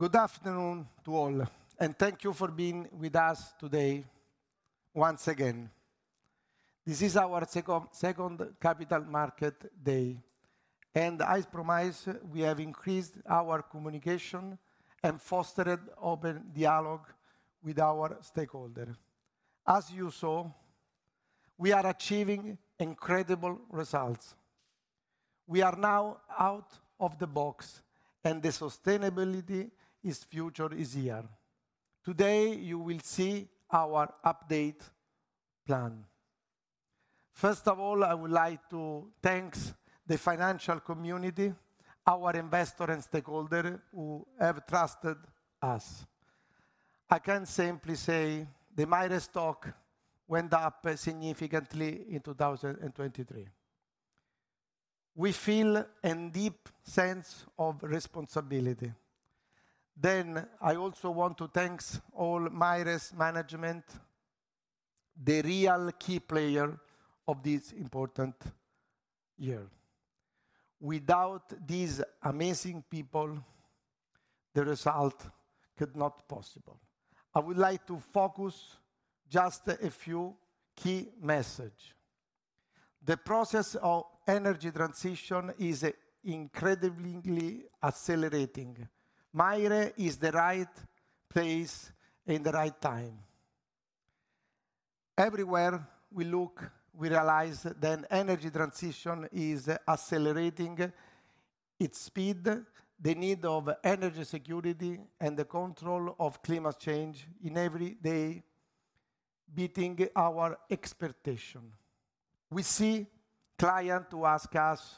Good afternoon to all, and thank you for being with us today once again. This is our second, second Capital Market Day, and as promised, we have increased our communication and fostered open dialogue with our stakeholder. As you saw, we are achieving incredible results. We are now out of the box, and the sustainable future is here. Today, you will see our updated plan. First of all, I would like to thank the financial community, our investor and stakeholder who have trusted us. I can simply say the Maire stock went up significantly in 2023. We feel a deep sense of responsibility. Then, I also want to thank all Maire's management, the real key players of this important year. Without these amazing people, the result could not be possible. I would like to focus on just a few key messages. The process of energy transition is incredibly accelerating. Maire is the right place in the right time. Everywhere we look, we realize that energy transition is accelerating its speed, the need of energy security, and the control of climate change in every day beating our expectation. We see client who ask us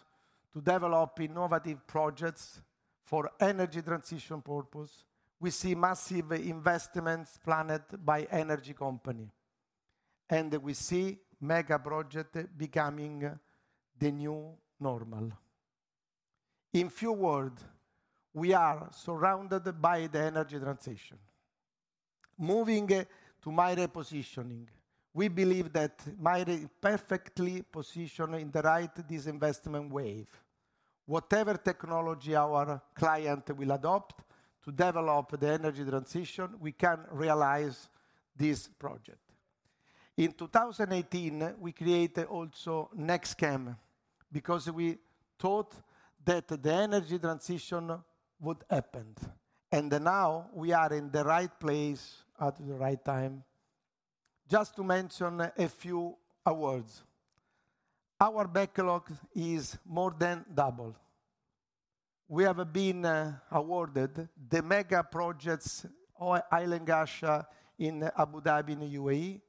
to develop innovative projects for energy transition purpose. We see massive investments planned by energy company, and we see mega project becoming the new normal. In few words, we are surrounded by the energy transition. Moving to Maire positioning, we believe that Maire is perfectly positioned in the right disinvestment wave. Whatever technology our client will adopt to develop the energy transition, we can realize this project. In 2018, we create also NEXTCHEM because we thought that the energy transition would happen, and now we are in the right place at the right time. Just to mention a few awards. Our backlog is more than double. We have been awarded the mega projects, Hail and Ghasha in Abu Dhabi, in UAE,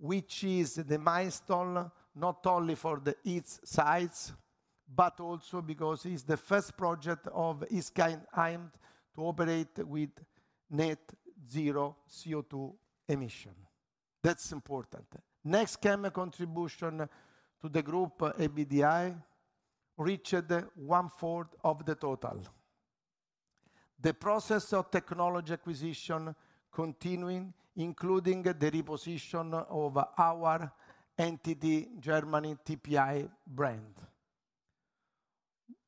which is the milestone not only for its size, but also because it's the first project of its kind aimed to operate with net zero CO2 emission. That's important. NEXTCHEM contribution to the group EBITDA reached one fourth of the total. The process of technology acquisition continuing, including the reposition of our entity, Germany TPI brand.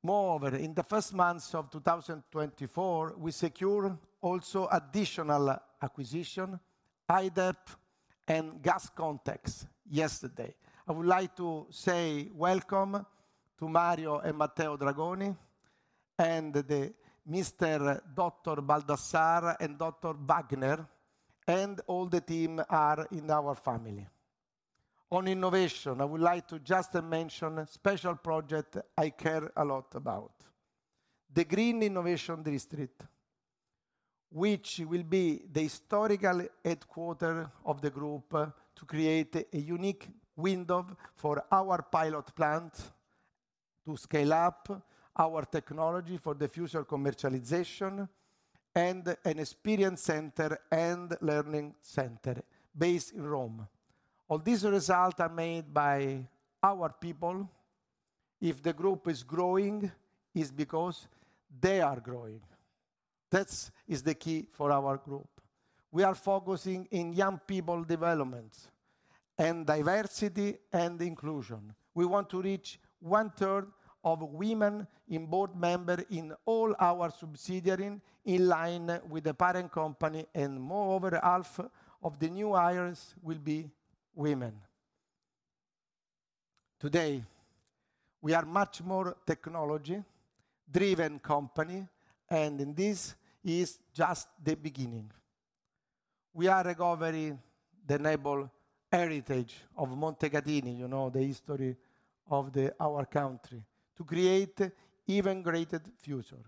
Moreover, in the first months of 2024, we secure also additional acquisition, HyDEP and GasConTec yesterday. I would like to say welcome to Mario and Matteo Dragoni and the Mister Dr. Balthasar and Dr. Wagner and all the team are in our family. On innovation, I would like to just mention a special project I care a lot about: the Green Innovation District, which will be the historical headquarters of the group to create a unique window for our pilot plant, to scale up our technology for the future commercialization, and an experience center and learning center based in Rome. All these results are made by our people. If the group is growing, is because they are growing. That's the key for our group. We are focusing in young people development and diversity and inclusion. We want to reach one third of women in board members in all our subsidiaries, in line with the parent company, and moreover, half of the new hires will be women. Today, we are much more technology-driven company, and this is just the beginning. We are recovering the noble heritage of Montecatini, you know, the history of our country, to create even greater future.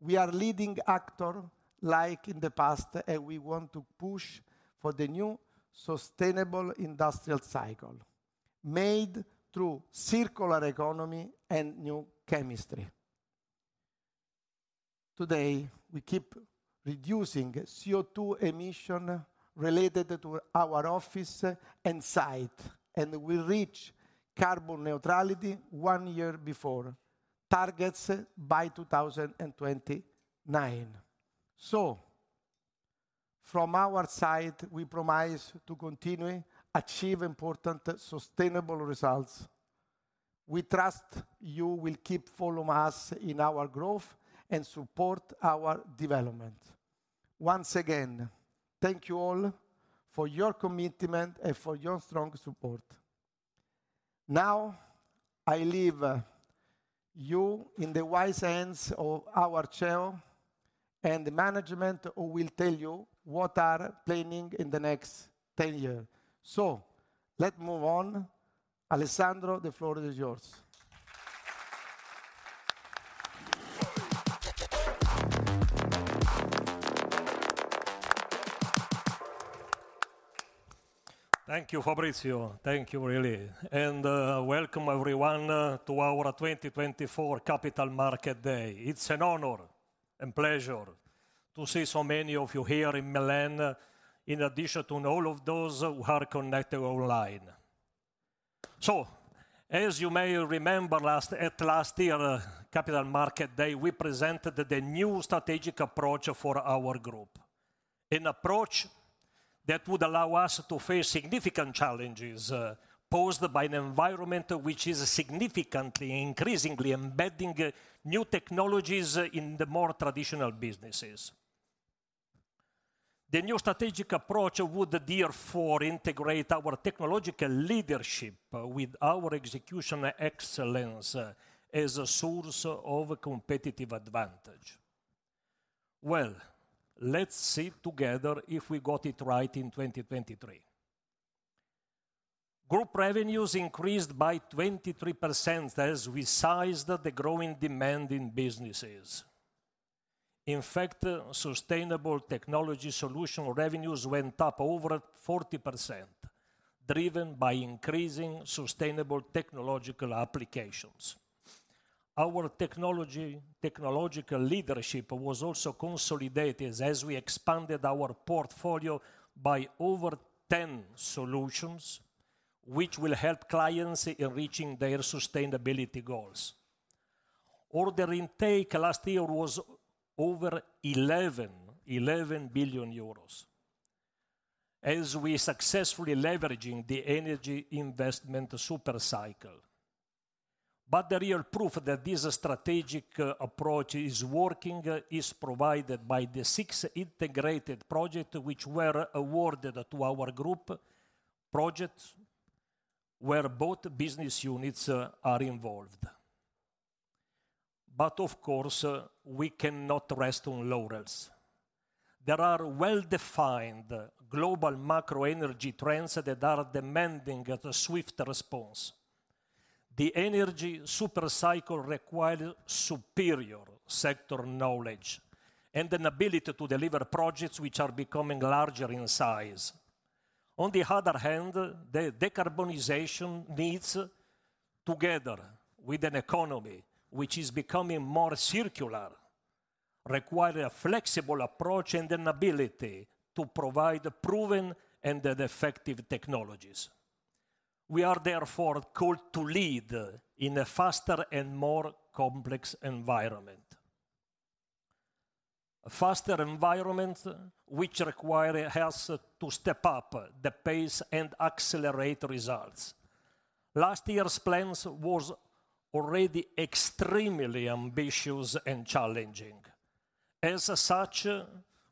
We are leading actor, like in the past, and we want to push for the new sustainable industrial cycle, made through circular economy and new chemistry. Today, we keep reducing CO2 emission related to our office and site, and we reach carbon neutrality one year before targets by 2029. From our side, we promise to continue achieve important sustainable results. We trust you will keep follow us in our growth and support our development. Once again, thank you all for your commitment and for your strong support. Now, I leave you in the wise hands of our CEO and the management, who will tell you what are planning in the next 10 year. So let's move on. Alessandro, the floor is yours. Thank you, Fabrizio. Thank you, really. And, welcome everyone, to our 2024 Capital Market Day. It's an honor and pleasure to see so many of you here in Milan, in addition to all of those who are connected online. So, as you may remember, at last year, Capital Market Day, we presented the new strategic approach for our group. An approach that would allow us to face significant challenges, posed by an environment which is significantly, increasingly embedding, new technologies in the more traditional businesses. The new strategic approach would therefore integrate our technological leadership, with our execution excellence, as a source of competitive advantage. Well, let's see together if we got it right in 2023. Group revenues increased by 23% as we seized the growing demand in businesses. In fact, sustainable technology solution revenues went up over 40%, driven by increasing sustainable technological applications. Our technological leadership was also consolidated as we expanded our portfolio by over 10 solutions, which will help clients in reaching their sustainability goals. Order intake last year was over 11 billion euros, as we successfully leveraging the energy investment super cycle. But the real proof that this strategic approach is working is provided by the six integrated project which were awarded to our group projects, where both business units are involved. But of course, we cannot rest on laurels. There are well-defined global macro energy trends that are demanding a swift response. The energy super cycle require superior sector knowledge and an ability to deliver projects which are becoming larger in size. On the other hand, the decarbonization needs, together with an economy which is becoming more circular, require a flexible approach and an ability to provide proven and effective technologies. We are therefore called to lead in a faster and more complex environment. A faster environment, which require us to step up the pace and accelerate results. Last year's plans was already extremely ambitious and challenging. As such,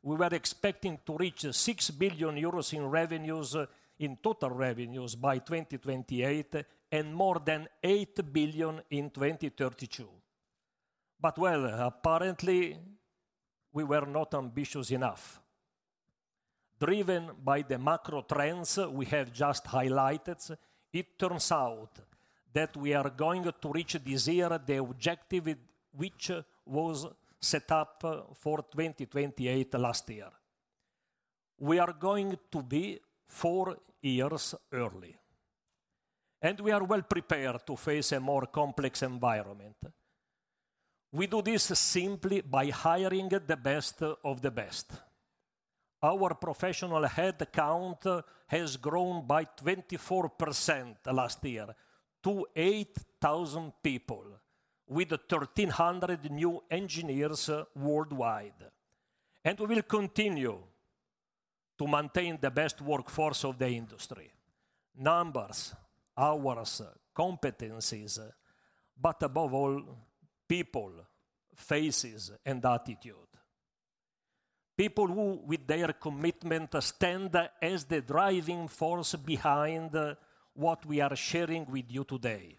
we were expecting to reach 6 billion euros in revenues, in total revenues by 2028, and more than 8 billion in 2032. But well, apparently, we were not ambitious enough. Driven by the macro trends we have just highlighted, it turns out that we are going to reach this year, the objective which was set up for 2028 last year. We are going to be four years early, and we are well prepared to face a more complex environment. We do this simply by hiring the best of the best. Our professional headcount has grown by 24% last year to 8,000 people, with 1,300 new engineers worldwide. We will continue to maintain the best workforce of the industry. Numbers, hours, competencies, but above all, people, faces and attitude. People who, with their commitment, stand as the driving force behind what we are sharing with you today.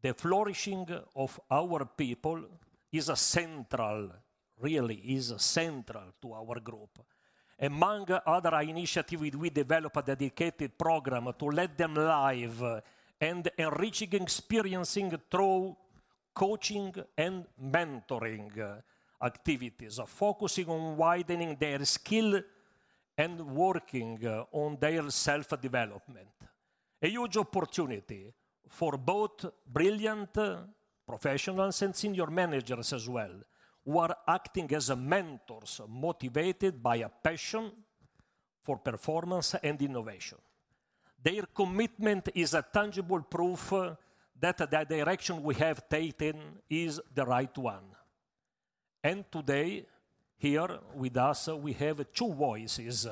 The flourishing of our people is central, really is central to our group. Among other initiatives, we develop a dedicated program to let them live and enriching, experiencing through coaching and mentoring activities, focusing on widening their skills and working on their self-development. A huge opportunity for both brilliant professionals and senior managers as well, who are acting as mentors, motivated by a passion for performance and innovation. Their commitment is a tangible proof that the direction we have taken is the right one. Today, here with us, we have two voices: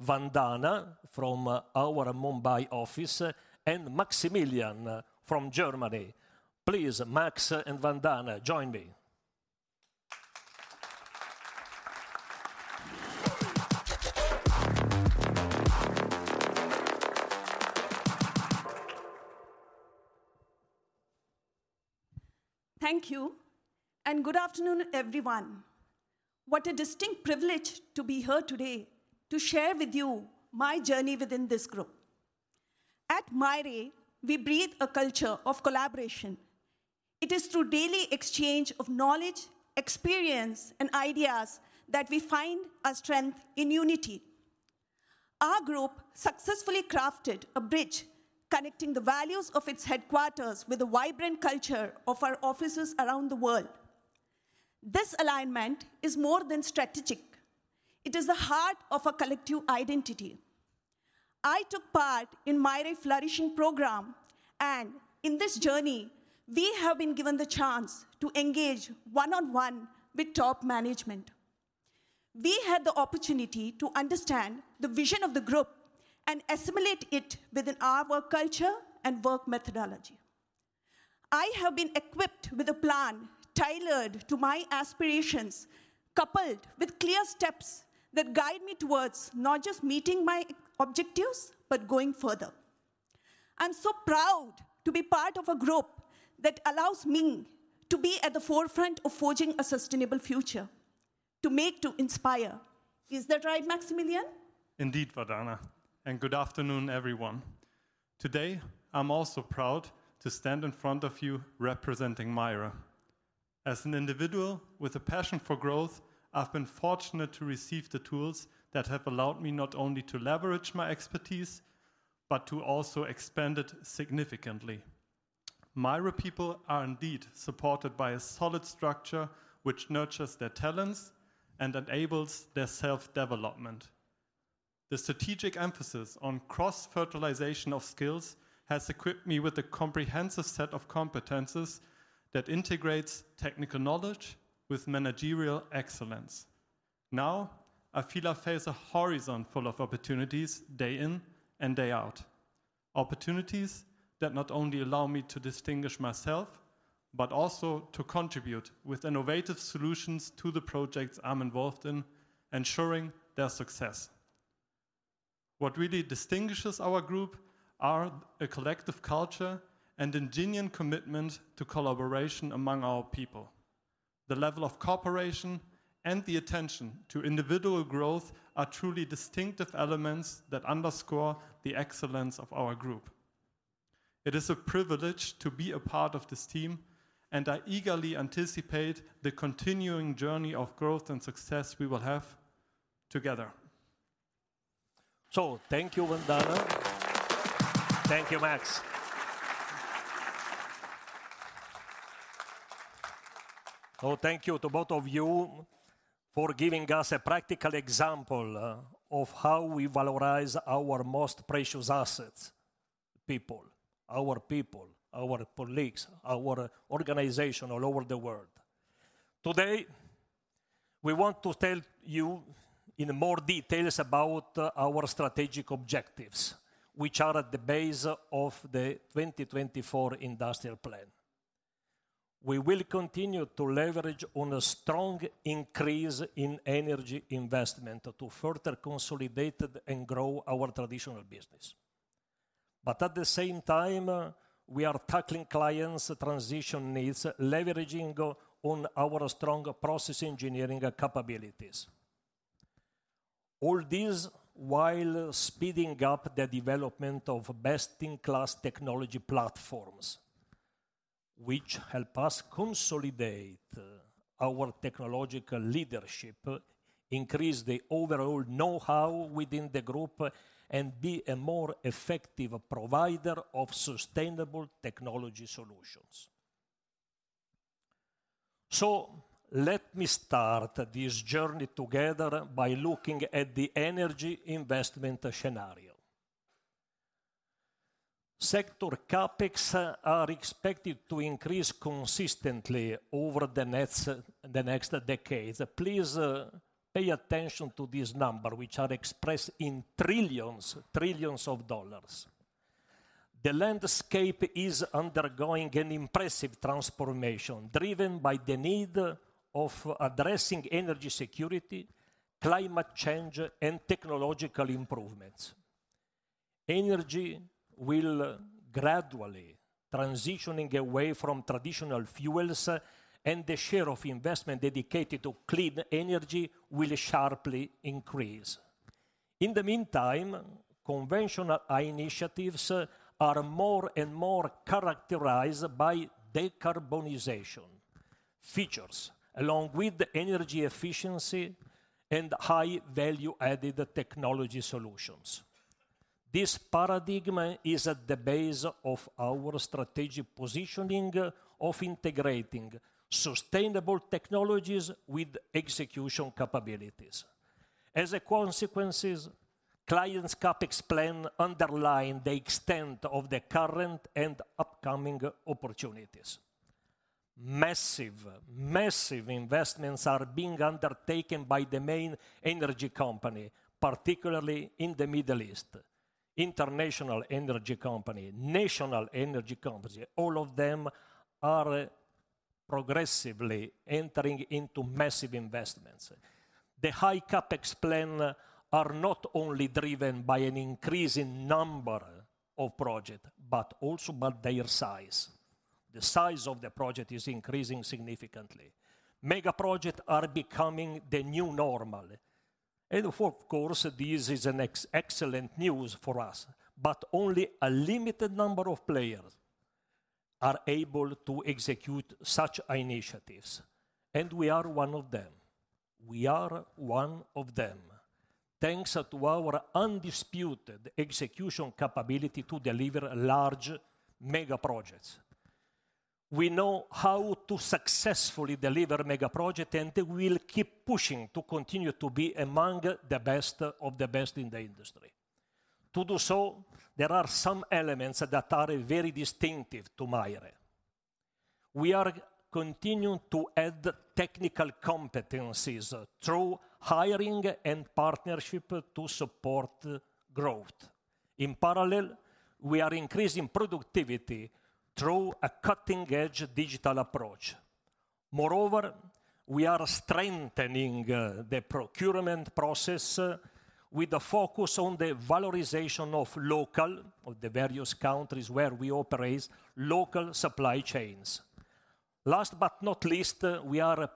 Vandana from our Mumbai office, and Maximilian from Germany. Please, Max and Vandana, join me. Thank you, and good afternoon, everyone. What a distinct privilege to be here today to share with you my journey within this group. At Maire, we breathe a culture of collaboration. It is through daily exchange of knowledge, experience, and ideas that we find our strength in unity. Our group successfully crafted a bridge connecting the values of its headquarters with the vibrant culture of our offices around the world. This alignment is more than strategic. It is the heart of a collective identity. I took part in Maire Flourishing program, and in this journey, we have been given the chance to engage one-on-one with top management. We had the opportunity to understand the vision of the group and assimilate it within our work culture and work methodology. I have been equipped with a plan tailored to my aspirations, coupled with clear steps that guide me towards not just meeting my objectives, but going further. I'm so proud to be part of a group that allows me to be at the forefront of forging a sustainable future, to make, to inspire. Is that right, Maximilian? Indeed, Vandana, and good afternoon, everyone. Today, I'm also proud to stand in front of you representing Maire. As an individual with a passion for growth, I've been fortunate to receive the tools that have allowed me not only to leverage my expertise, but to also expand it significantly. Maire people are indeed supported by a solid structure, which nurtures their talents and enables their self-development. The strategic emphasis on cross-fertilization of skills has equipped me with a comprehensive set of competencies that integrates technical knowledge with managerial excellence. Now, I feel I face a horizon full of opportunities day in and day out, opportunities that not only allow me to distinguish myself, but also to contribute with innovative solutions to the projects I'm involved in, ensuring their success. What really distinguishes our group are a collective culture and ingenious commitment to collaboration among our people. The level of cooperation and the attention to individual growth are truly distinctive elements that underscore the excellence of our group. It is a privilege to be a part of this team, and I eagerly anticipate the continuing journey of growth and success we will have together. So thank you, Vandana. Thank you, Max. Oh, thank you to both of you for giving us a practical example of how we valorize our most precious assets: people, our people, our colleagues, our organization all over the world. Today, we want to tell you in more details about our strategic objectives, which are at the base of the 2024 industrial plan. We will continue to leverage on a strong increase in energy investment to further consolidate and grow our traditional business. But at the same time, we are tackling clients' transition needs, leveraging on our strong process engineering capabilities. All this while speeding up the development of best-in-class technology platforms, which help us consolidate our technological leadership, increase the overall know-how within the group, and be a more effective provider of sustainable technology solutions. So let me start this journey together by looking at the energy investment scenario. Sector CapEx are expected to increase consistently over the next decades. Please, pay attention to this number, which are expressed in $ trillions. The landscape is undergoing an impressive transformation, driven by the need of addressing energy security, climate change, and technological improvements. Energy will gradually transitioning away from traditional fuels, and the share of investment dedicated to clean energy will sharply increase. In the meantime, conventional initiatives are more and more characterized by decarbonization features, along with energy efficiency and high value-added technology solutions... This paradigm is at the base of our strategic positioning of integrating sustainable technologies with execution capabilities. As a consequences, clients CapEx plan underline the extent of the current and upcoming opportunities. Massive, massive investments are being undertaken by the main energy company, particularly in the Middle East. International energy company, national energy company, all of them are progressively entering into massive investments. The high CapEx plan are not only driven by an increase in number of project, but also by their size. The size of the project is increasing significantly. Mega project are becoming the new normal, and of course, this is an excellent news for us, but only a limited number of players are able to execute such initiatives, and we are one of them. We are one of them, thanks to our undisputed execution capability to deliver large mega projects. We know how to successfully deliver mega project, and we'll keep pushing to continue to be among the best of the best in the industry. To do so, there are some elements that are very distinctive to Maire. We are continuing to add technical competencies through hiring and partnership to support growth. In parallel, we are increasing productivity through a cutting-edge digital approach. Moreover, we are strengthening the procurement process with a focus on the valorization of local, of the various countries where we operate, local supply chains. Last but not least, we are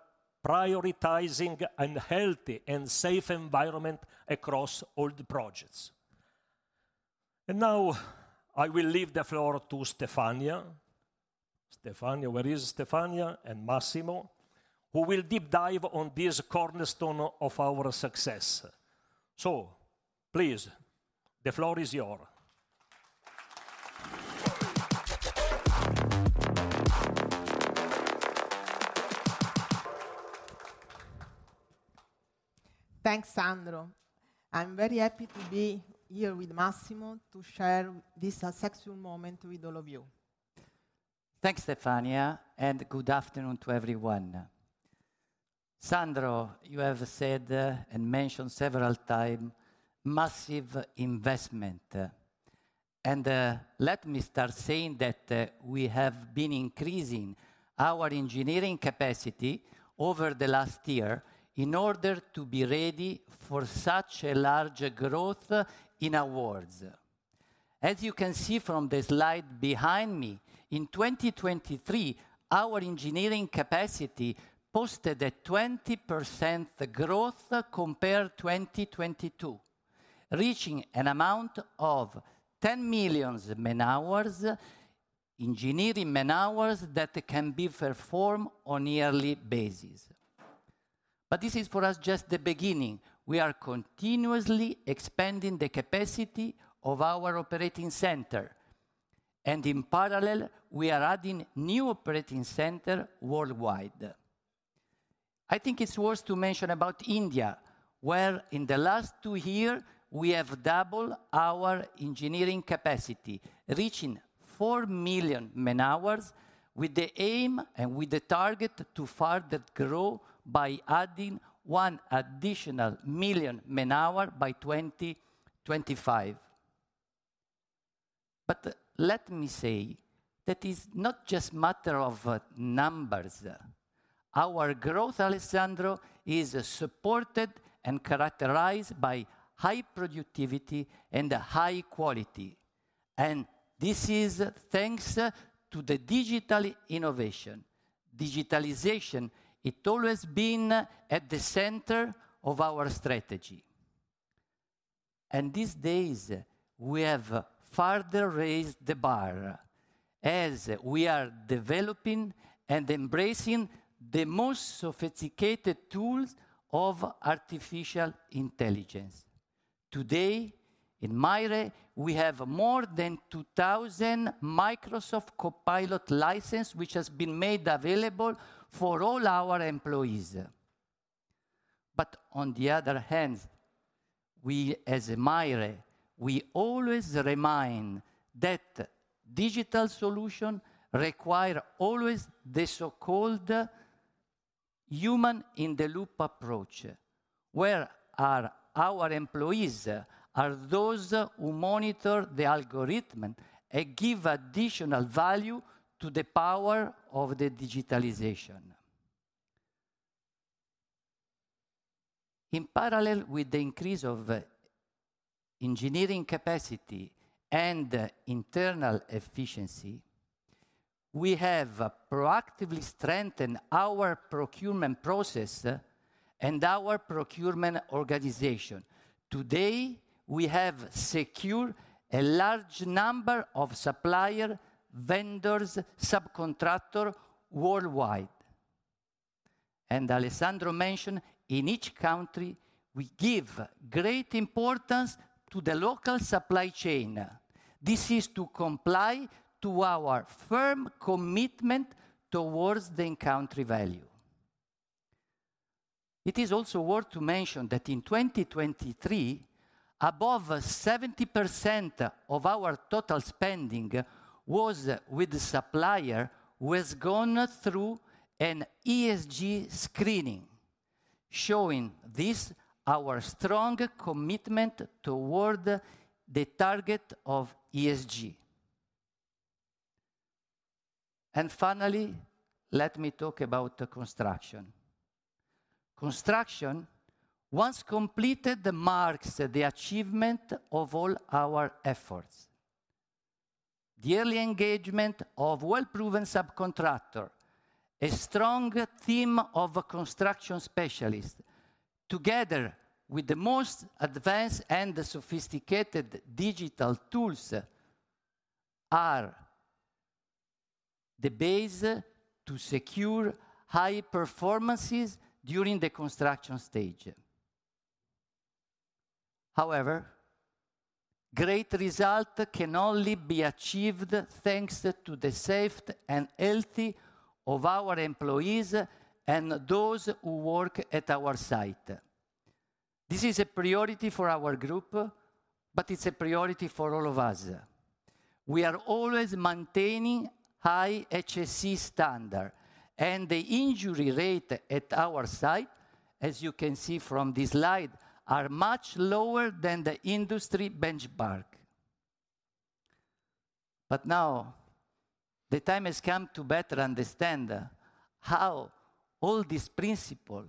prioritizing a healthy and safe environment across all the projects. Now, I will leave the floor to Stefania. Stefania, where is Stefania and Massimo, who will deep dive on this cornerstone of our success. Please, the floor is yours. Thanks, Sandro. I'm very happy to be here with Massimo to share this special moment with all of you. Thanks, Stefania, and good afternoon to everyone. Sandro, you have said and mentioned several time massive investment, and let me start saying that we have been increasing our engineering capacity over the last year in order to be ready for such a large growth in awards. As you can see from the slide behind me, in 2023, our engineering capacity posted a 20% growth compared 2022, reaching an amount of 10 million man-hours, engineering man-hours, that can be performed on yearly basis. But this is, for us, just the beginning. We are continuously expanding the capacity of our operating center, and in parallel, we are adding new operating center worldwide. I think it's worth to mention about India, where in the last 2 years, we have double our engineering capacity, reaching 4 million man-hours, with the aim and with the target to further grow by adding 1 additional million man-hours by 2025. But let me say, that is not just matter of numbers. Our growth, Alessandro, is supported and characterized by high productivity and high quality, and this is thanks to the digital innovation. Digitalization, it always been at the center of our strategy. And these days, we have further raised the bar, as we are developing and embracing the most sophisticated tools of artificial intelligence. Today, in Maire, we have more than 2,000 Microsoft Copilot license, which has been made available for all our employees. But on the other hand, we, as Maire, we always remind that digital solutions require always the so-called Human-in-the-Loop approach, where our employees are those who monitor the algorithm and give additional value to the power of the digitalization. In parallel with the increase of engineering capacity and internal efficiency, we have proactively strengthened our procurement process and our procurement organization. Today, we have secured a large number of suppliers, vendors, subcontractors worldwide... and Alessandro mentioned, in each country, we give great importance to the local supply chain. This is to comply to our firm commitment towards the in-country value. It is also worth to mention that in 2023, above 70% of our total spending was with the suppliers who have gone through an ESG screening, showing this, our strong commitment toward the target of ESG. And finally, let me talk about the construction. Construction, once completed, marks the achievement of all our efforts. The early engagement of well-proven subcontractor, a strong team of construction specialists, together with the most advanced and sophisticated digital tools, are the base to secure high performances during the construction stage. However, great result can only be achieved thanks to the safe and healthy of our employees and those who work at our site. This is a priority for our group, but it's a priority for all of us. We are always maintaining high HSE standard, and the injury rate at our site, as you can see from this slide, are much lower than the industry benchmark. But now, the time has come to better understand how all these principle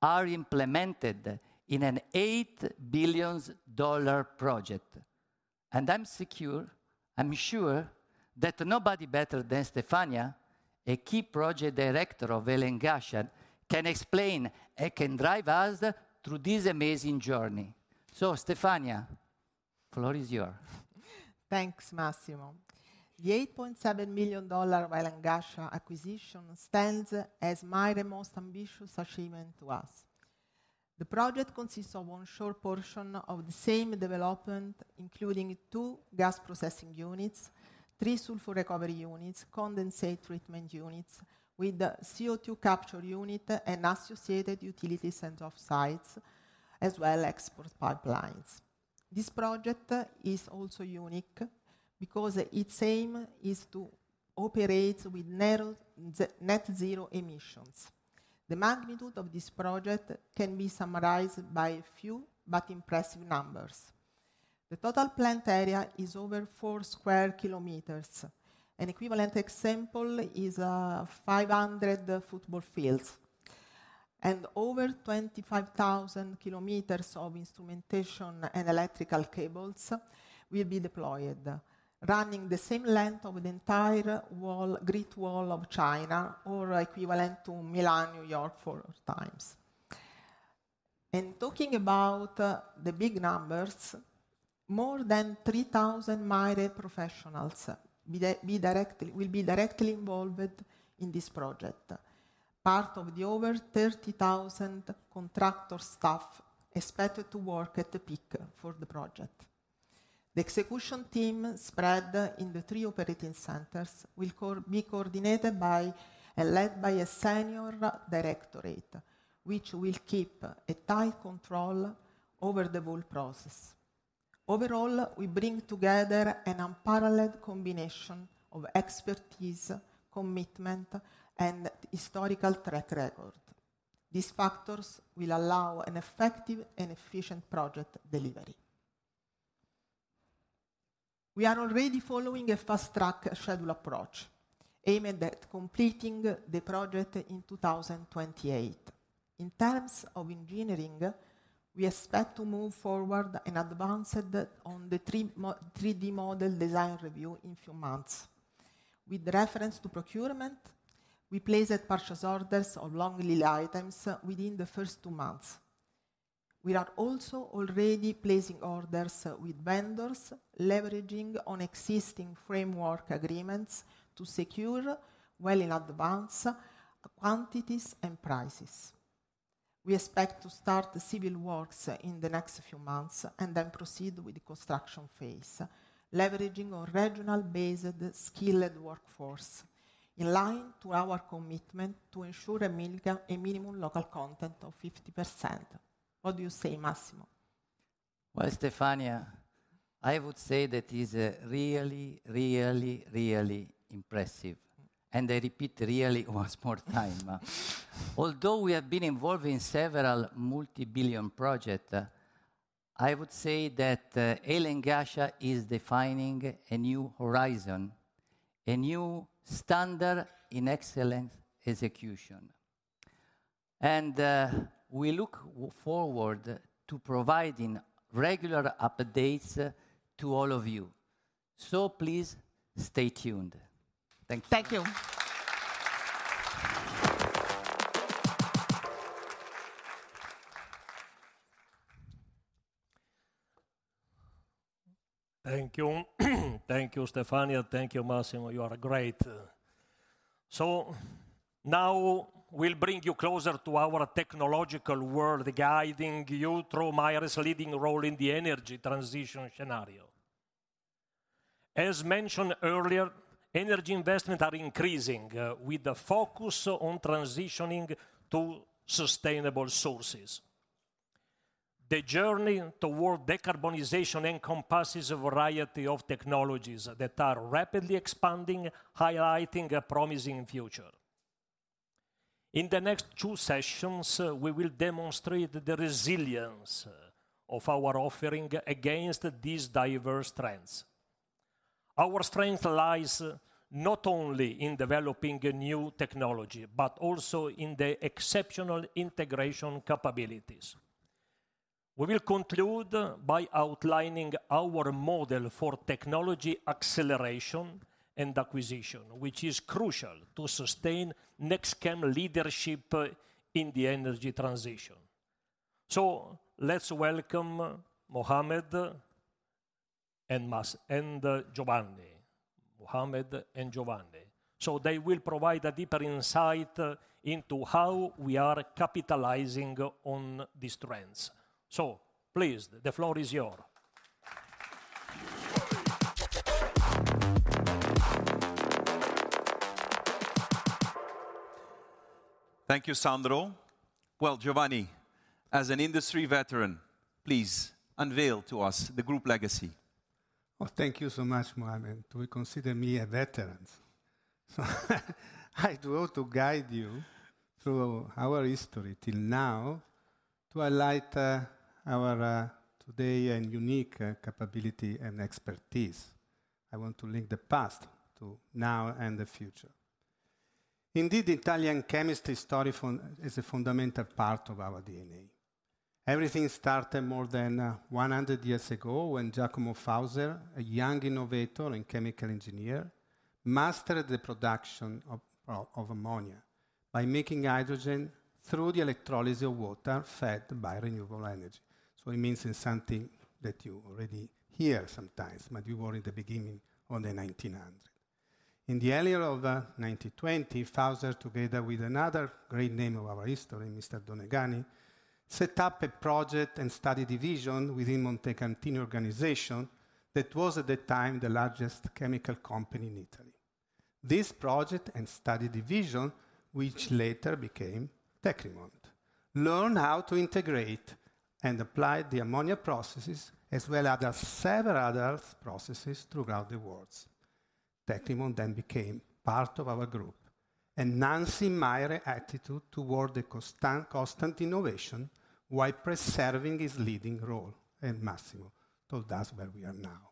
are implemented in an $8 billion project. I'm sure, I'm sure that nobody better than Stefania, a key project director of Hail and Ghasha, can explain and can drive us through this amazing journey. Stefania, floor is yours. Thanks, Massimo. The $8.7 million Hail and Ghasha acquisition stands as my most ambitious achievement to us. The project consists of onshore portion of the same development, including 2 gas processing units, 3 sulfur recovery units, condensate treatment units, with CO2 capture unit and associated utilities and offsites, as well as export pipelines. This project is also unique because its aim is to operate with net-zero emissions. The magnitude of this project can be summarized by a few but impressive numbers. The total plant area is over 4 sq km. An equivalent example is 500 football fields. Over 25,000 km of instrumentation and electrical cables will be deployed, running the same length of the entire Great Wall of China or equivalent to Milan-New York 4x. Talking about the big numbers, more than 3,000 of my professionals will be directly involved in this project, part of the over 30,000 contractor staff expected to work at the peak for the project. The execution team spread in the 3 operating centers will be coordinated by and led by a senior directorate, which will keep a tight control over the whole process. Overall, we bring together an unparalleled combination of expertise, commitment, and historical track record. These factors will allow an effective and efficient project delivery. We are already following a fast-track schedule approach, aimed at completing the project in 2028. In terms of engineering, we expect to move forward and advance it on the 3D model design review in a few months. With reference to procurement, we placed purchase orders of long-lead items within the first 2 months. We are also already placing orders with vendors, leveraging on existing framework agreements to secure, well in advance, quantities and prices. We expect to start the civil works in the next few months and then proceed with the construction phase, leveraging on regional-based skilled workforce, in line to our commitment to ensure a minimum local content of 50%. What do you say, Massimo? Well, Stefania, I would say that is really, really, really impressive. And I repeat really once more time. Although we have been involved in several multi-billion project, I would say that, Hail and Ghasha is defining a new horizon, a new standard in excellent execution. And we look forward to providing regular updates to all of you. So please, stay tuned. Thank you. Thank you.... Thank you. Thank you, Stefania. Thank you, Massimo, you are great. So now we'll bring you closer to our technological world, guiding you through Maire's leading role in the energy transition scenario. As mentioned earlier, energy investment are increasing, with the focus on transitioning to sustainable sources. The journey toward decarbonization encompasses a variety of technologies that are rapidly expanding, highlighting a promising future. In the next two sessions, we will demonstrate the resilience of our offering against these diverse trends. Our strength lies not only in developing a new technology, but also in the exceptional integration capabilities. We will conclude by outlining our model for technology acceleration and acquisition, which is crucial to sustain NEXTCHEM leadership in the energy transition. So let's welcome Mohammed and Giovanni. Mohammed and Giovanni. So they will provide a deeper insight into how we are capitalizing on these trends. Please, the floor is yours. Thank you, Sandro. Well, Giovanni, as an industry veteran, please unveil to us the group legacy. Well, thank you so much, Mohammed. Do you consider me a veteran? So I do want to guide you through our history till now, to highlight our today and unique capability and expertise. I want to link the past to now and the future. Indeed, Italian chemistry story fundamentally is a fundamental part of our DNA. Everything started more than 100 years ago, when Giacomo Fauser, a young innovator and chemical engineer, mastered the production of ammonia by making hydrogen through the electrolysis of water fed by renewable energy. So it means it's something that you already hear sometimes, but we were in the beginning of the 1900s. In the early 1920s, Fauser, together with another great name of our history, Mr. Donegani set up a project and study division within Montecatini organization that was, at the time, the largest chemical company in Italy. This project and study division, which later became Tecnimont, learn how to integrate and apply the ammonia processes, as well as several other processes throughout the world. Tecnimont then became part of our group, enhancing Maire attitude toward the constant, constant innovation while preserving its leading role, and Massimo told us where we are now.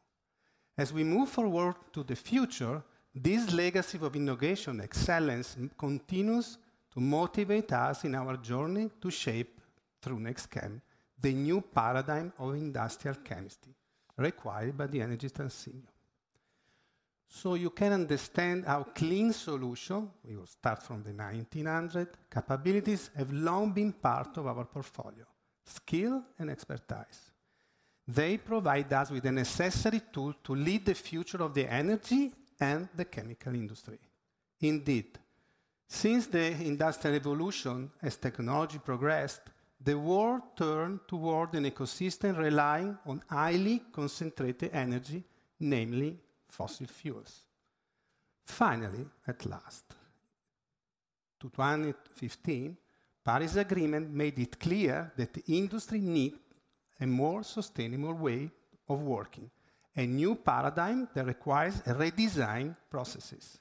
As we move forward to the future, this legacy of innovation excellence continues to motivate us in our journey to shape, through NEXTCHEM, the new paradigm of industrial chemistry required by the energy transition. So you can understand our clean solution, we will start from the 1900, capabilities have long been part of our portfolio, skill, and expertise. They provide us with the necessary tool to lead the future of the energy and the chemical industry. Indeed, since the Industrial Revolution, as technology progressed, the world turned toward an ecosystem relying on highly concentrated energy, namely fossil fuels. Finally, at last, to 2015, Paris Agreement made it clear that the industry need a more sustainable way of working, a new paradigm that requires a redesign processes.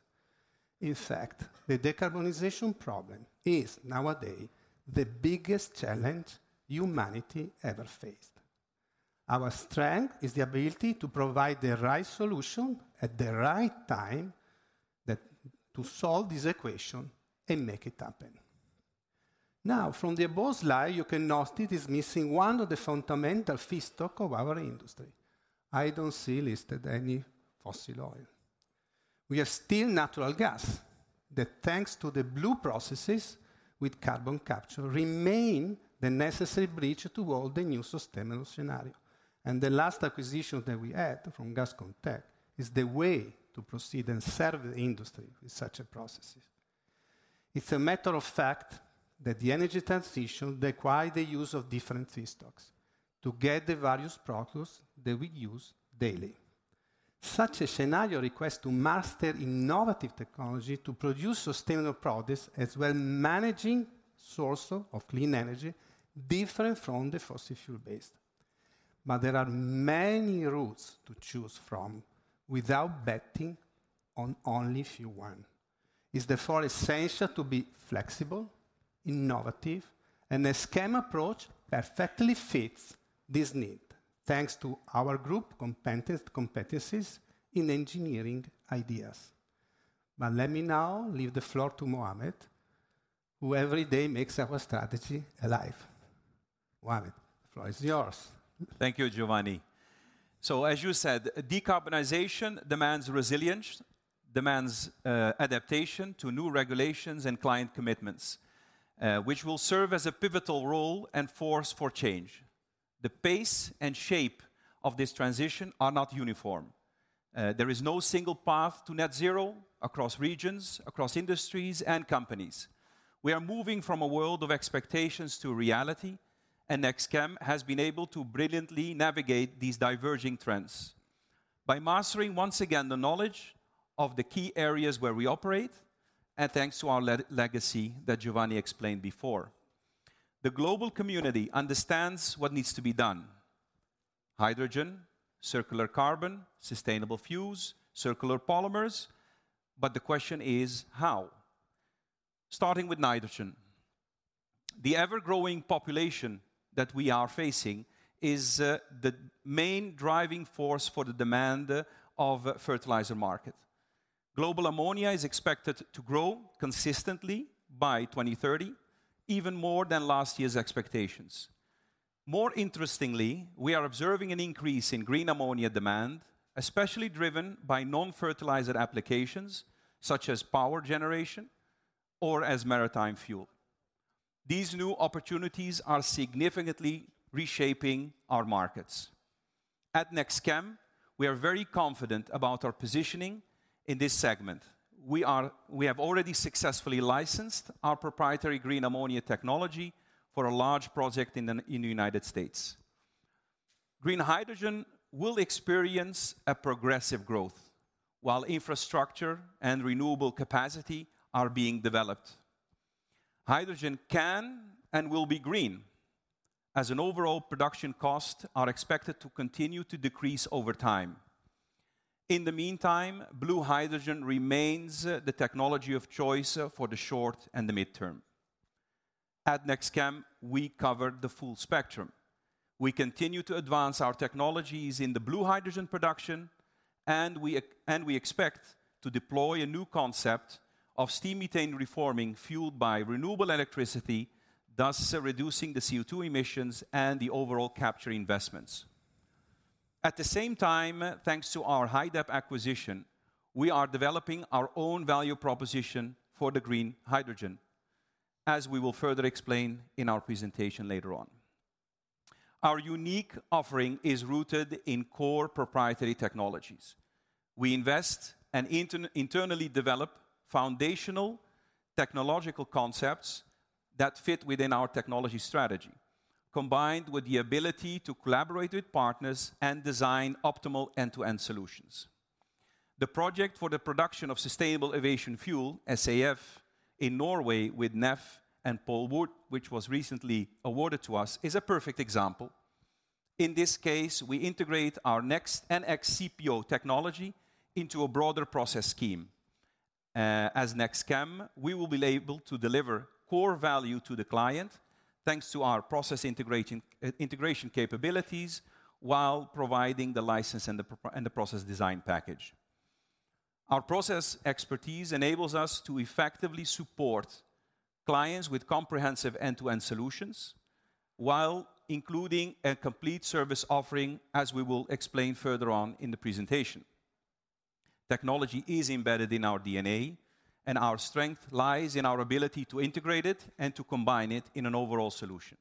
In fact, the decarbonization problem is nowadays the biggest challenge humanity ever faced. Our strength is the ability to provide the right solution at the right time, that to solve this equation and make it happen. Now, from the above slide, you can notice it is missing one of the fundamental feedstock of our industry. I don't see listed any fossil oil. We have still natural gas, that thanks to the blue processes with carbon capture, remain the necessary bridge toward the new sustainable scenario. The last acquisition that we had from GasConTec is the way to proceed and serve the industry with such a processes. It's a matter of fact that the energy transition require the use of different feedstocks to get the various products that we use daily. Such a scenario requires to master innovative technology to produce sustainable products, as well managing source of clean energy different from the fossil fuel-based. There are many routes to choose from without betting on only few one. It's therefore essential to be flexible, innovative, and the scheme approach perfectly fits this need, thanks to our group competent, competencies in engineering ideas. Let me now leave the floor to Mohammed, who every day makes our strategy alive. Mohammed, the floor is yours. Thank you, Giovanni. As you said, decarbonization demands resilience, demands adaptation to new regulations and client commitments, which will serve as a pivotal role and force for change. The pace and shape of this transition are not uniform. There is no single path to net zero across regions, across industries, and companies. We are moving from a world of expectations to reality, and NEXTCHEM has been able to brilliantly navigate these diverging trends by mastering, once again, the knowledge of the key areas where we operate, and thanks to our legacy that Giovanni explained before. The global community understands what needs to be done: hydrogen, circular carbon, sustainable fuels, circular polymers, but the question is, how? Starting with nitrogen. The ever-growing population that we are facing is the main driving force for the demand of fertilizer market. Global ammonia is expected to grow consistently by 2030, even more than last year's expectations. More interestingly, we are observing an increase in green ammonia demand, especially driven by non-fertilizer applications, such as power generation or as maritime fuel. These new opportunities are significantly reshaping our markets. At NEXTCHEM, we are very confident about our positioning in this segment. We have already successfully licensed our proprietary green ammonia technology for a large project in the United States. Green hydrogen will experience a progressive growth while infrastructure and renewable capacity are being developed. Hydrogen can and will be green, as an overall production cost are expected to continue to decrease over time. In the meantime, blue hydrogen remains the technology of choice for the short and the midterm. At NEXTCHEM, we cover the full spectrum. We continue to advance our technologies in the blue hydrogen production, and we expect to deploy a new concept of steam methane reforming, fueled by renewable electricity, thus reducing the CO2 emissions and the overall capture investments. At the same time, thanks to our HyDEP acquisition, we are developing our own value proposition for the green hydrogen, as we will further explain in our presentation later on. Our unique offering is rooted in core proprietary technologies. We invest and internally develop foundational technological concepts that fit within our technology strategy, combined with the ability to collaborate with partners and design optimal end-to-end solutions. The project for the production of sustainable aviation fuel, SAF, in Norway with NEF and Paul Wurth, which was recently awarded to us, is a perfect example. In this case, we integrate our NEXTCHEM CPO technology into a broader process scheme. As NEXTCHEM, we will be able to deliver core value to the client, thanks to our process integration capabilities, while providing the license and the proprietary and the process design package. Our process expertise enables us to effectively support clients with comprehensive end-to-end solutions, while including a complete service offering, as we will explain further on in the presentation. Technology is embedded in our DNA, and our strength lies in our ability to integrate it and to combine it in an overall solution.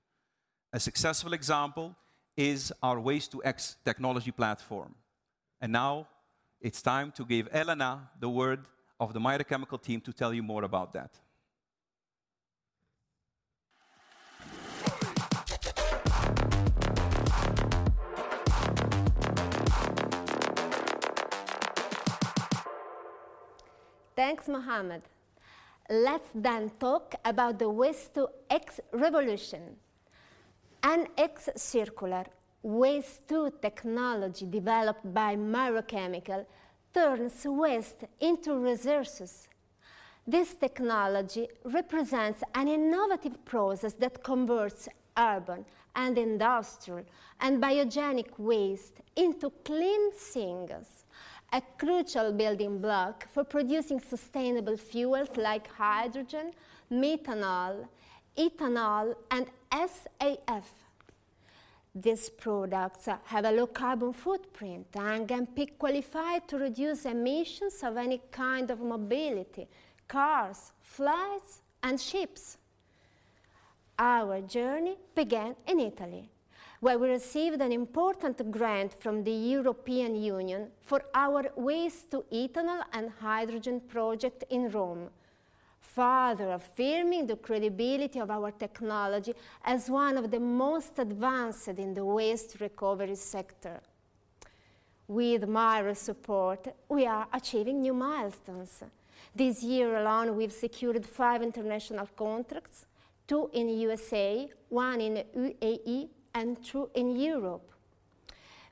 A successful example is our Waste-to-X technology platform. Now, it's time to give the word to Elena of the Maire Chemical team to tell you more about that. Thanks, Mohamed. Let's then talk about the Waste-to-X revolution. NEXTCHEM Circular, waste-to-technology developed by Maire, turns waste into resources. This technology represents an innovative process that converts urban and industrial and biogenic waste into clean syngas, a crucial building block for producing sustainable fuels like hydrogen, methanol, ethanol, and SAF. These products have a low carbon footprint and can be qualified to reduce emissions of any kind of mobility: cars, flights, and ships. Our journey began in Italy, where we received an important grant from the European Union for our waste to ethanol and hydrogen project in Rome, further affirming the credibility of our technology as one of the most advanced in the waste recovery sector. With Maire support, we are achieving new milestones. This year alone, we've secured five international contracts, two in USA, one in UAE, and two in Europe.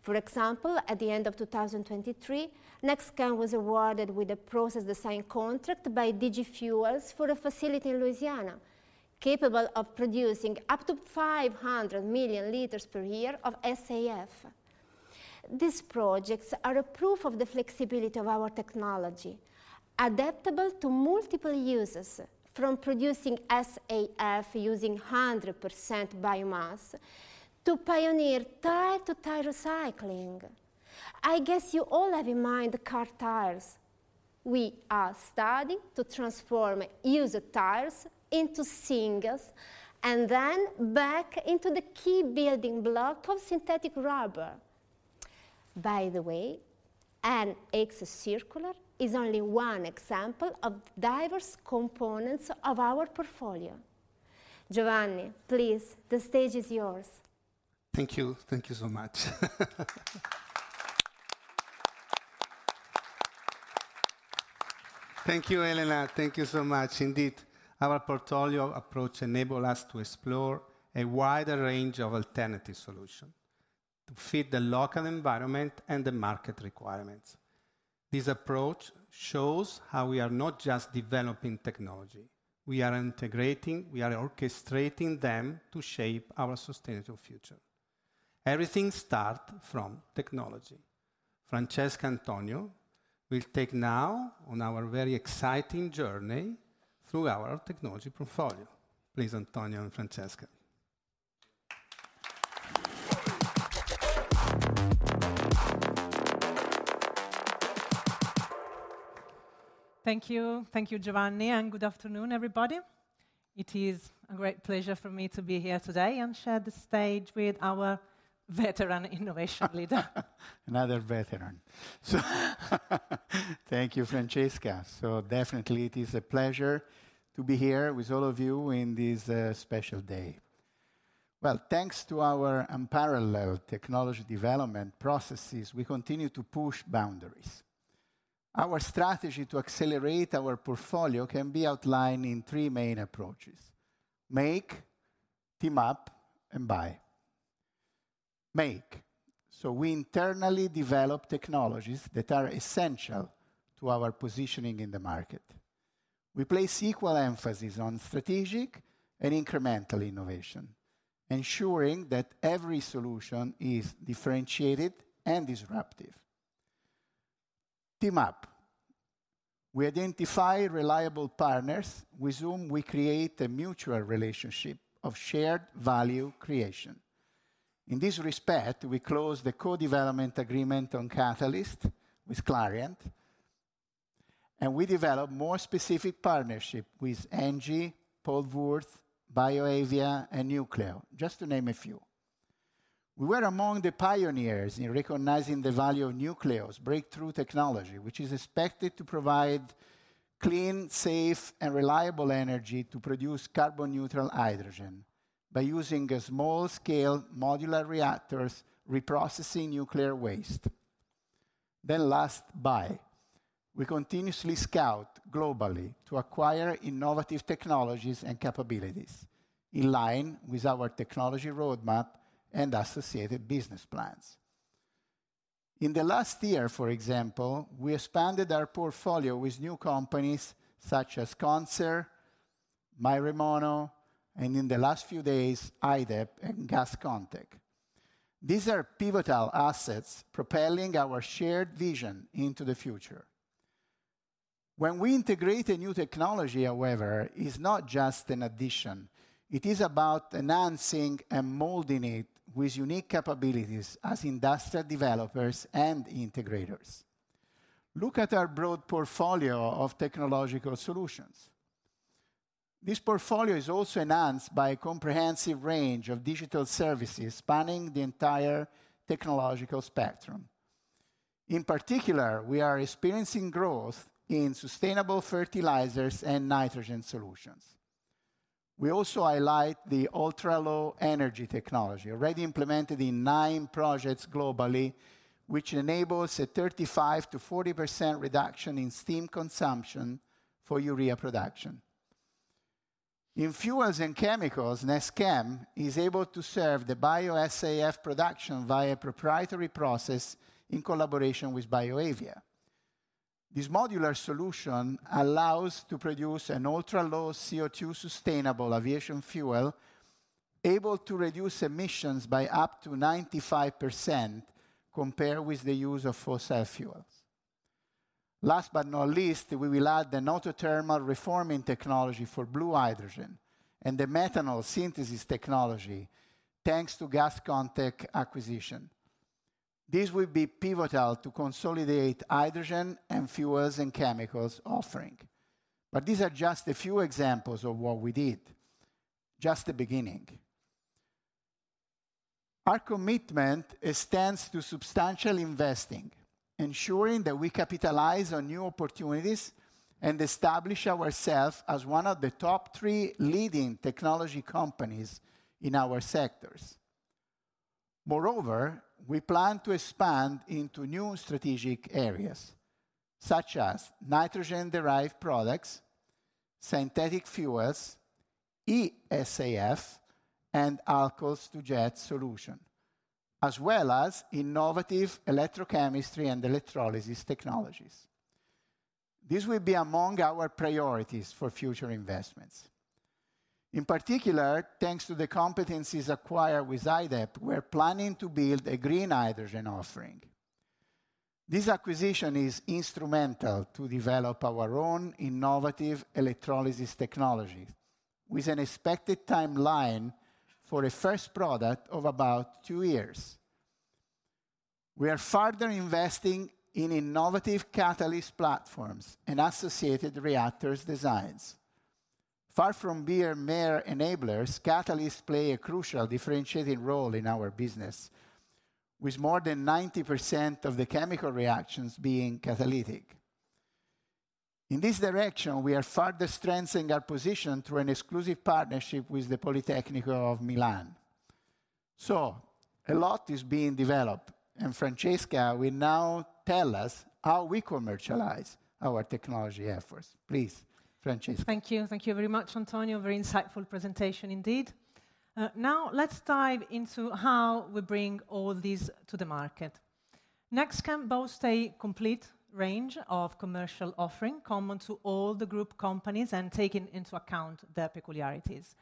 For example, at the end of 2023, NEXTCHEM was awarded with a process design contract by DG Fuels for a facility in Louisiana, capable of producing up to 500 million liters per year of SAF. These projects are a proof of the flexibility of our technology, adaptable to multiple uses, from producing SAF using 100% biomass, to pioneer tire-to-tire recycling. I guess you all have in mind car tires? We are studying to transform used tires into syngas, and then back into the key building block of synthetic rubber. By the way, NX Circular is only one example of diverse components of our portfolio. Giovanni, please, the stage is yours. Thank you. Thank you so much. Thank you, Elena. Thank you so much. Indeed, our portfolio approach enable us to explore a wider range of alternative solution to fit the local environment and the market requirements. This approach shows how we are not just developing technology, we are integrating, we are orchestrating them to shape our sustainable future. Everything start from technology. Francesca and Antonio will take now on our very exciting journey through our technology portfolio. Please, Antonio and Francesca. Thank you. Thank you, Giovanni, and good afternoon, everybody. It is a great pleasure for me to be here today and share the stage with our veteran innovation leader. Another veteran. So thank you, Francesca. So definitely it is a pleasure to be here with all of you in this special day. Well, thanks to our unparalleled technology development processes, we continue to push boundaries. Our strategy to accelerate our portfolio can be outlined in three main approaches: make, team up, and buy. Make, so we internally develop technologies that are essential to our positioning in the market. We place equal emphasis on strategic and incremental innovation, ensuring that every solution is differentiated and disruptive. Team up, we identify reliable partners with whom we create a mutual relationship of shared value creation. In this respect, we closed a co-development agreement on catalyst with Clariant, and we developed more specific partnership with ENGIE, Paul Wurth, BioAvia, and Newcleo, just to name a few. We were among the pioneers in recognizing the value of Nucleo's breakthrough technology, which is expected to provide clean, safe, and reliable energy to produce carbon-neutral hydrogen by using small-scale modular reactors, reprocessing nuclear waste. We continuously scout globally to acquire innovative technologies and capabilities in line with our technology roadmap and associated business plans. In the last year, for example, we expanded our portfolio with new companies such as CONSER, MyRemono, and in the last few days, HyDEP and GasConTec. These are pivotal assets propelling our shared vision into the future. When we integrate a new technology, however, it's not just an addition, it is about enhancing and molding it with unique capabilities as industrial developers and integrators. Look at our broad portfolio of technological solutions. This portfolio is also enhanced by a comprehensive range of digital services spanning the entire technological spectrum. In particular, we are experiencing growth in sustainable fertilizers and nitrogen solutions. We also highlight the ultra-low energy technology, already implemented in nine projects globally, which enables a 35%-40% reduction in steam consumption for urea production. In fuels and chemicals, NEXTCHEM is able to serve the Bio-SAF production via proprietary process in collaboration with BioAvia. This modular solution allows to produce an ultra-low CO2 sustainable aviation fuel, able to reduce emissions by up to 95% compared with the use of fossil fuels. Last but not least, we will add the autothermal reforming technology for blue hydrogen and the methanol synthesis technology, thanks to GasConTec acquisition. This will be pivotal to consolidate hydrogen and fuels and chemicals offering. But these are just a few examples of what we did, just the beginning. Our commitment extends to substantial investing, ensuring that we capitalize on new opportunities and establish ourselves as one of the top 3 leading technology companies in our sectors. Moreover, we plan to expand into new strategic areas, such as nitrogen-derived products, synthetic fuels, e-SAF, and alcohols to jet solution, as well as innovative electrochemistry and electrolysis technologies. This will be among our priorities for future investments. In particular, thanks to the competencies acquired with HyDEP, we're planning to build a green hydrogen offering. This acquisition is instrumental to develop our own innovative electrolysis technology, with an expected timeline for a first product of about 2 years. We are further investing in innovative catalyst platforms and associated reactors designs. Far from being mere enablers, catalysts play a crucial differentiating role in our business, with more than 90% of the chemical reactions being catalytic. In this direction, we are further strengthening our position through an exclusive partnership with the Politecnico di Milano. So, a lot is being developed, and Francesca will now tell us how we commercialize our technology efforts. Please, Francesca. Thank you. Thank you very much, Antonio. Very insightful presentation indeed. Now let's dive into how we bring all this to the market. NEXTCHEM boasts a complete range of commercial offering, common to all the group companies and taking into account their peculiarities.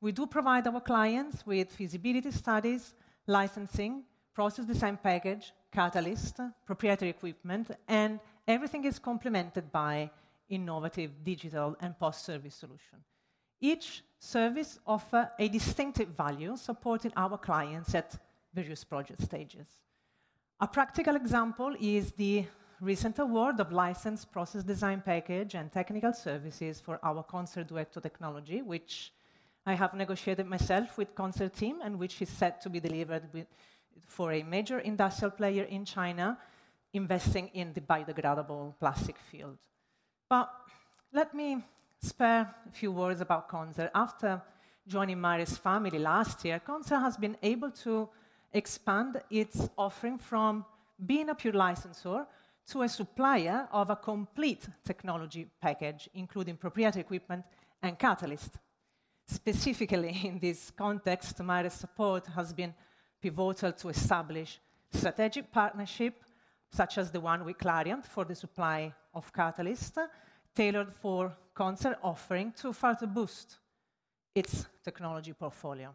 We do provide our clients with feasibility studies, licensing, process design package, catalyst, proprietary equipment, and everything is complemented by innovative digital and post-service solution. Each service offer a distinctive value, supporting our clients at various project stages. A practical example is the recent award of licensed process design package and technical services for our CONSER Duetto technology which I have negotiated myself with CONSER team, and which is set to be delivered with - for a major industrial player in China, investing in the biodegradable plastic field. But let me spare a few words about CONSER. After joining Maire's family last year, CONSER has been able to expand its offering from being a pure licensor to a supplier of a complete technology package, including proprietary equipment and catalyst. Specifically, in this context, Maire's support has been pivotal to establish strategic partnership, such as the one with Clariant for the supply of catalyst, tailored for CONSER, offering to further boost its technology portfolio.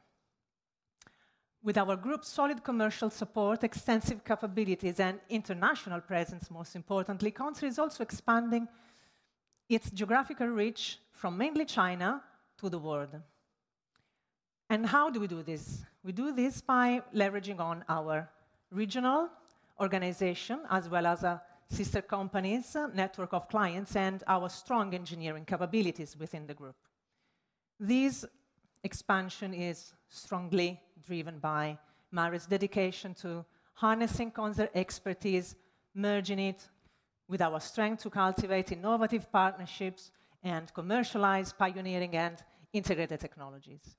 With our group's solid commercial support, extensive capabilities, and international presence, most importantly, CONSER is also expanding its geographical reach from mainly China to the world. And how do we do this? We do this by leveraging on our regional organization, as well as our sister companies, network of clients, and our strong engineering capabilities within the group. This expansion is strongly driven by Maire's dedication to harnessing CONSER expertise, merging it with our strength to cultivate innovative partnerships and commercialize pioneering and integrated technologies.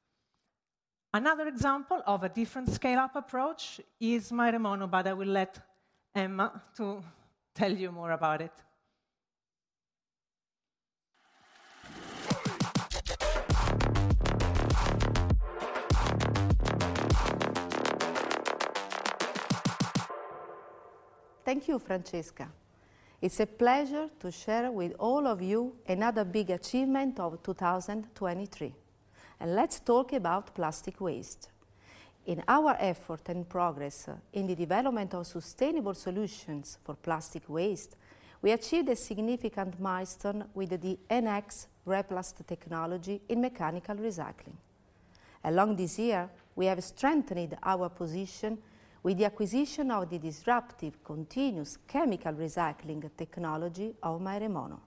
Another example of a different scale-up approach is MyRemono, but I will let Emma to tell you more about it. Thank you, Francesca. It's a pleasure to share with all of you another big achievement of 2023. Let's talk about plastic waste. In our effort and progress in the development of sustainable solutions for plastic waste, we achieved a significant milestone with the NEXTCHEM Replast technology in mechanical recycling. Along this year, we have strengthened our position with the acquisition of the disruptive, continuous chemical recycling technology of MyRemono.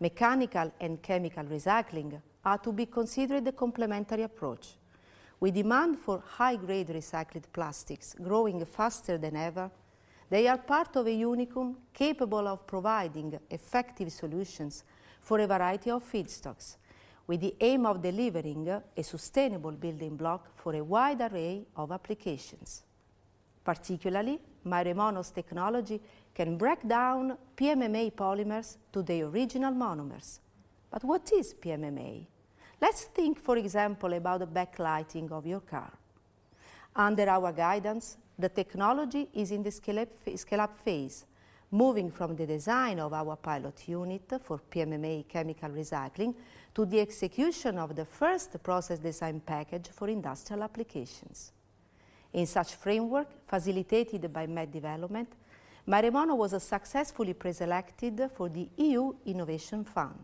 Mechanical and chemical recycling are to be considered a complementary approach. With demand for high-grade recycled plastics growing faster than ever, they are part of a unicum, capable of providing effective solutions for a variety of feedstocks, with the aim of delivering a sustainable building block for a wide array of applications. Particularly, MyRemono's technology can break down PMMA polymers to their original monomers. But what is PMMA? Let's think, for example, about the backlighting of your car. Under our guidance, the technology is in the scale-up phase, moving from the design of our pilot unit for PMMA chemical recycling, to the execution of the first process design package for industrial applications. In such framework, facilitated by MET Development, MyRemono was successfully preselected for the EU Innovation Fund.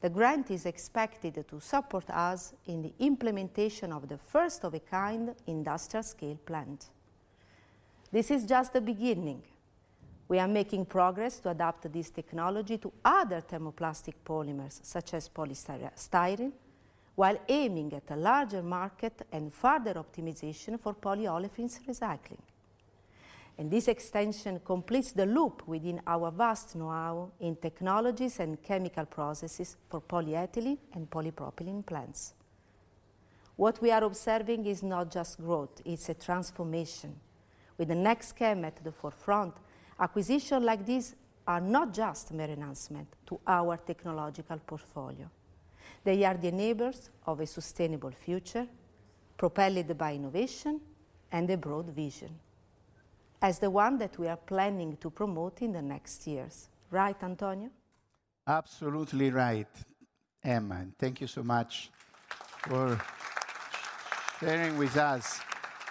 The grant is expected to support us in the implementation of the first-of-a-kind industrial scale plant. This is just the beginning. We are making progress to adapt this technology to other thermoplastic polymers, such as polystyrene, while aiming at a larger market and further optimization for polyolefins recycling. This extension completes the loop within our vast know-how in technologies and chemical processes for polyethylene and polypropylene plants. What we are observing is not just growth, it's a transformation. With the NEXTCHEM at the forefront, acquisitions like these are not just mere enhancement to our technological portfolio, they are the enablers of a sustainable future, propelled by innovation and a broad vision, as the one that we are planning to promote in the next years. Right, Antonio? Absolutely right, Emma, and thank you so much for sharing with us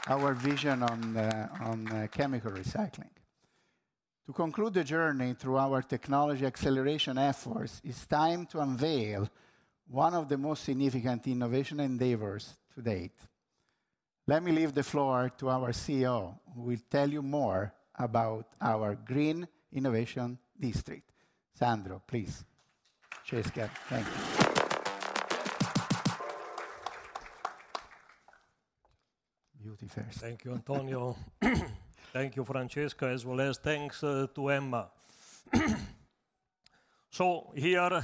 our vision on chemical recycling. To conclude the journey through our technology acceleration efforts, it's time to unveil one of the most significant innovation endeavors to date. Let me leave the floor to our CEO, who will tell you more about our Green Innovation District. Sandro, please. Francesca, thank you. Beautiful. Thank you, Antonio. Thank you, Francesca, as well as thanks to Emma. Here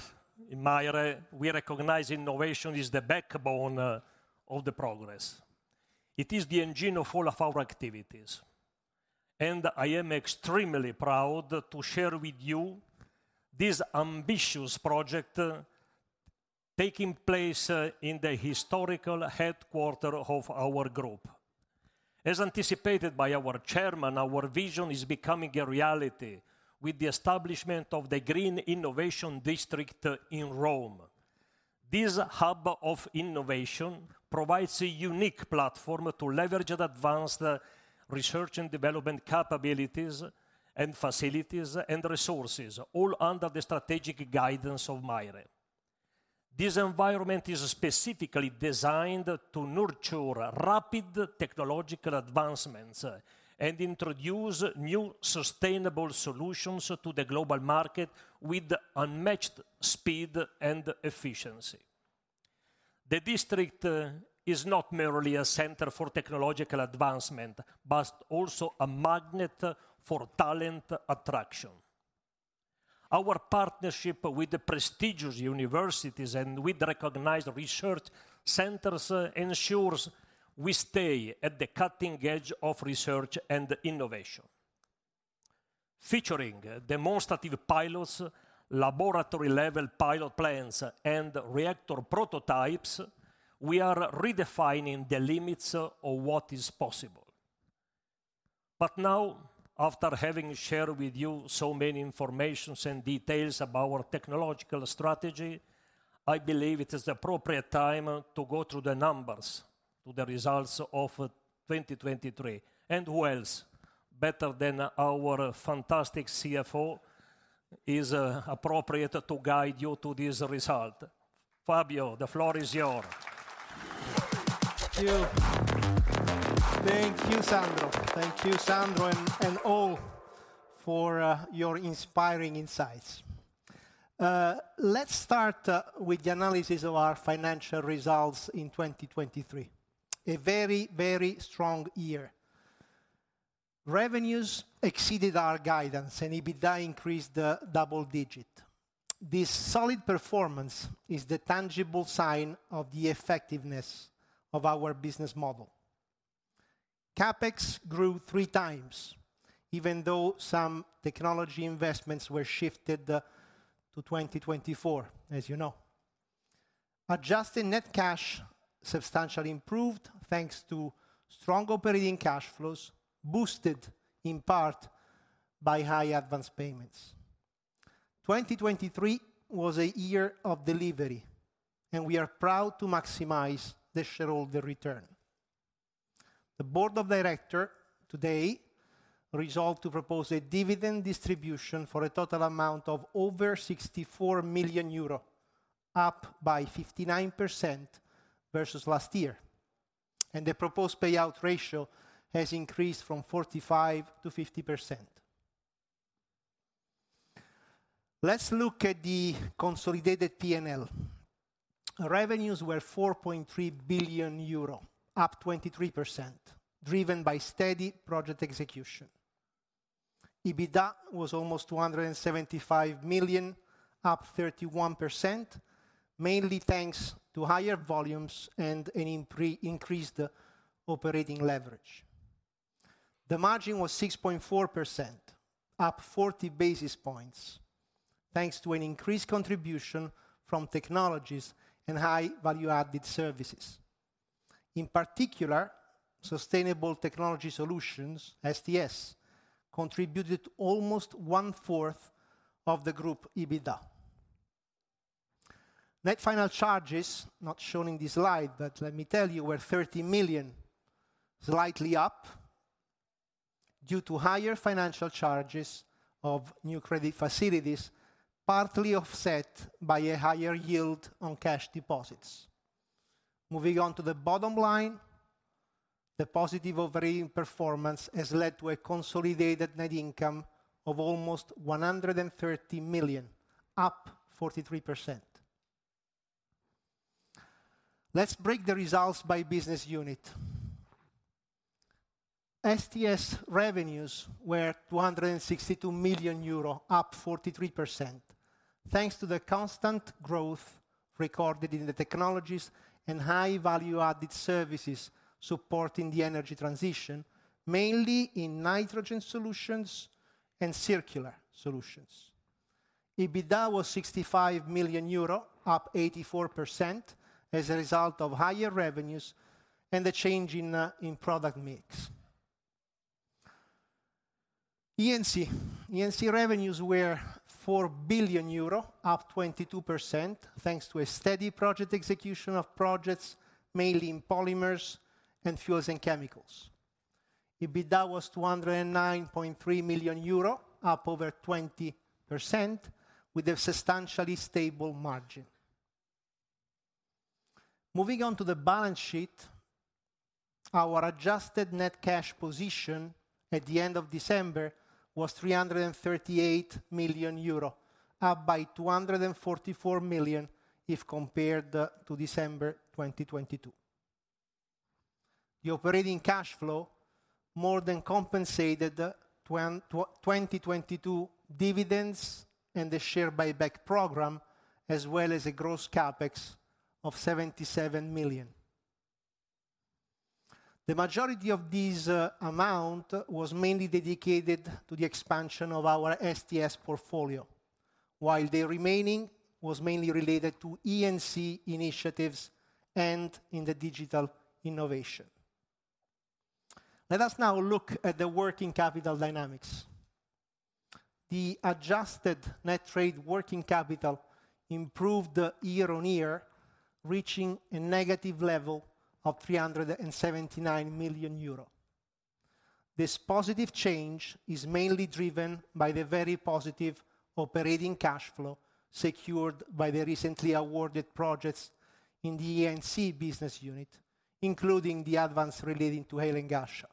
in Maire, we recognize innovation is the backbone of the progress. It is the engine of all of our activities, and I am extremely proud to share with you this ambitious project taking place in the historical headquarters of our group. As anticipated by our chairman, our vision is becoming a reality with the establishment of the Green Innovation District in Rome. This hub of innovation provides a unique platform to leverage and advance the research and development capabilities and facilities and resources, all under the strategic guidance of Maire. This environment is specifically designed to nurture rapid technological advancements and introduce new sustainable solutions to the global market with unmatched speed and efficiency. The district is not merely a center for technological advancement, but also a magnet for talent attraction. Our partnership with the prestigious universities and with recognized research centers ensures we stay at the cutting edge of research and innovation. Featuring demonstrative pilots, laboratory-level pilot plans, and reactor prototypes, we are redefining the limits of what is possible. But now, after having shared with you so many information and details about our technological strategy, I believe it is appropriate time to go through the numbers, to the results of 2023. And who else better than our fantastic CFO is appropriate to guide you to this result? Fabio, the floor is yours. Thank you. Thank you, Sandro. Thank you, Sandro, and all for your inspiring insights. Let's start with the analysis of our financial results in 2023, a very, very strong year. Revenues exceeded our guidance, and EBITDA increased double-digit. This solid performance is the tangible sign of the effectiveness of our business model. CapEx grew 3x, even though some technology investments were shifted to 2024, as you know. Adjusted net cash substantially improved, thanks to strong operating cash flows, boosted in part by high advanced payments. 2023 was a year of delivery, and we are proud to maximize the shareholder return. The board of directors today resolved to propose a dividend distribution for a total amount of over 64 million euro, up by 59% versus last year, and the proposed payout ratio has increased from 45%-50%. Let's look at the consolidated PNL. Revenues were 4.3 billion euro, up 23%, driven by steady project execution. EBITDA was almost 275 million, up 31%, mainly thanks to higher volumes and an increased operating leverage. The margin was 6.4%, up 40 basis points, thanks to an increased contribution from technologies and high value-added services. In particular, Sustainable Technology Solutions, STS, contributed almost one-fourth of the group EBITDA. Net financial charges, not shown in this slide, but let me tell you, were 30 million, slightly up due to higher financial charges of new credit facilities, partly offset by a higher yield on cash deposits. Moving on to the bottom line, the positive operating performance has led to a consolidated net income of almost 130 million, up 43%. Let's break the results by business unit. STS revenues were 262 million euro, up 43%, thanks to the constant growth recorded in the technologies and high value-added services supporting the energy transition, mainly in nitrogen solutions and circular solutions. EBITDA was 65 million euro, up 84%, as a result of higher revenues and the change in product mix. E&C revenues were 4 billion euro, up 22%, thanks to a steady project execution of projects, mainly in polymers and fuels and chemicals. EBITDA was 209.3 million euro, up over 20%, with a substantially stable margin. Moving on to the balance sheet, our adjusted net cash position at the end of December was 338 million euro, up by 244 million if compared to December 2022. The operating cash flow more than compensated 2022 dividends and the share buyback program, as well as a gross CapEx of 77 million. The majority of this amount was mainly dedicated to the expansion of our STS portfolio, while the remaining was mainly related to E&C initiatives and in the digital innovation. Let us now look at the working capital dynamics. The adjusted net trade working capital improved year-on-year, reaching a negative level of 379 million euro. This positive change is mainly driven by the very positive operating cash flow secured by the recently awarded projects in the E&C business unit, including the advance relating to Hail and Ghasha.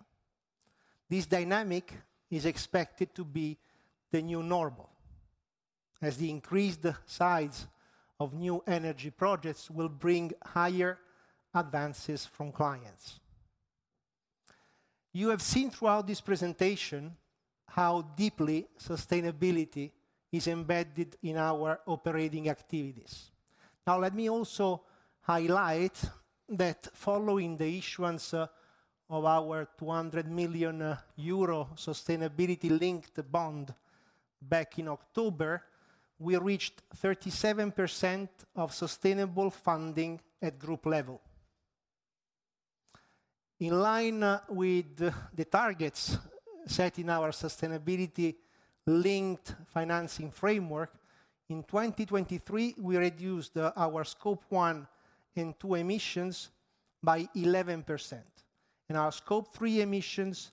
This dynamic is expected to be the new normal, as the increased size of new energy projects will bring higher advances from clients. You have seen throughout this presentation how deeply sustainability is embedded in our operating activities. Now, let me also highlight that following the issuance of our 200 million euro sustainability-linked bond back in October, we reached 37% of sustainable funding at group level. In line with the targets set in our sustainability-linked financing framework, in 2023, we reduced our Scope 1 and 2 emissions by 11% and our Scope 3 emissions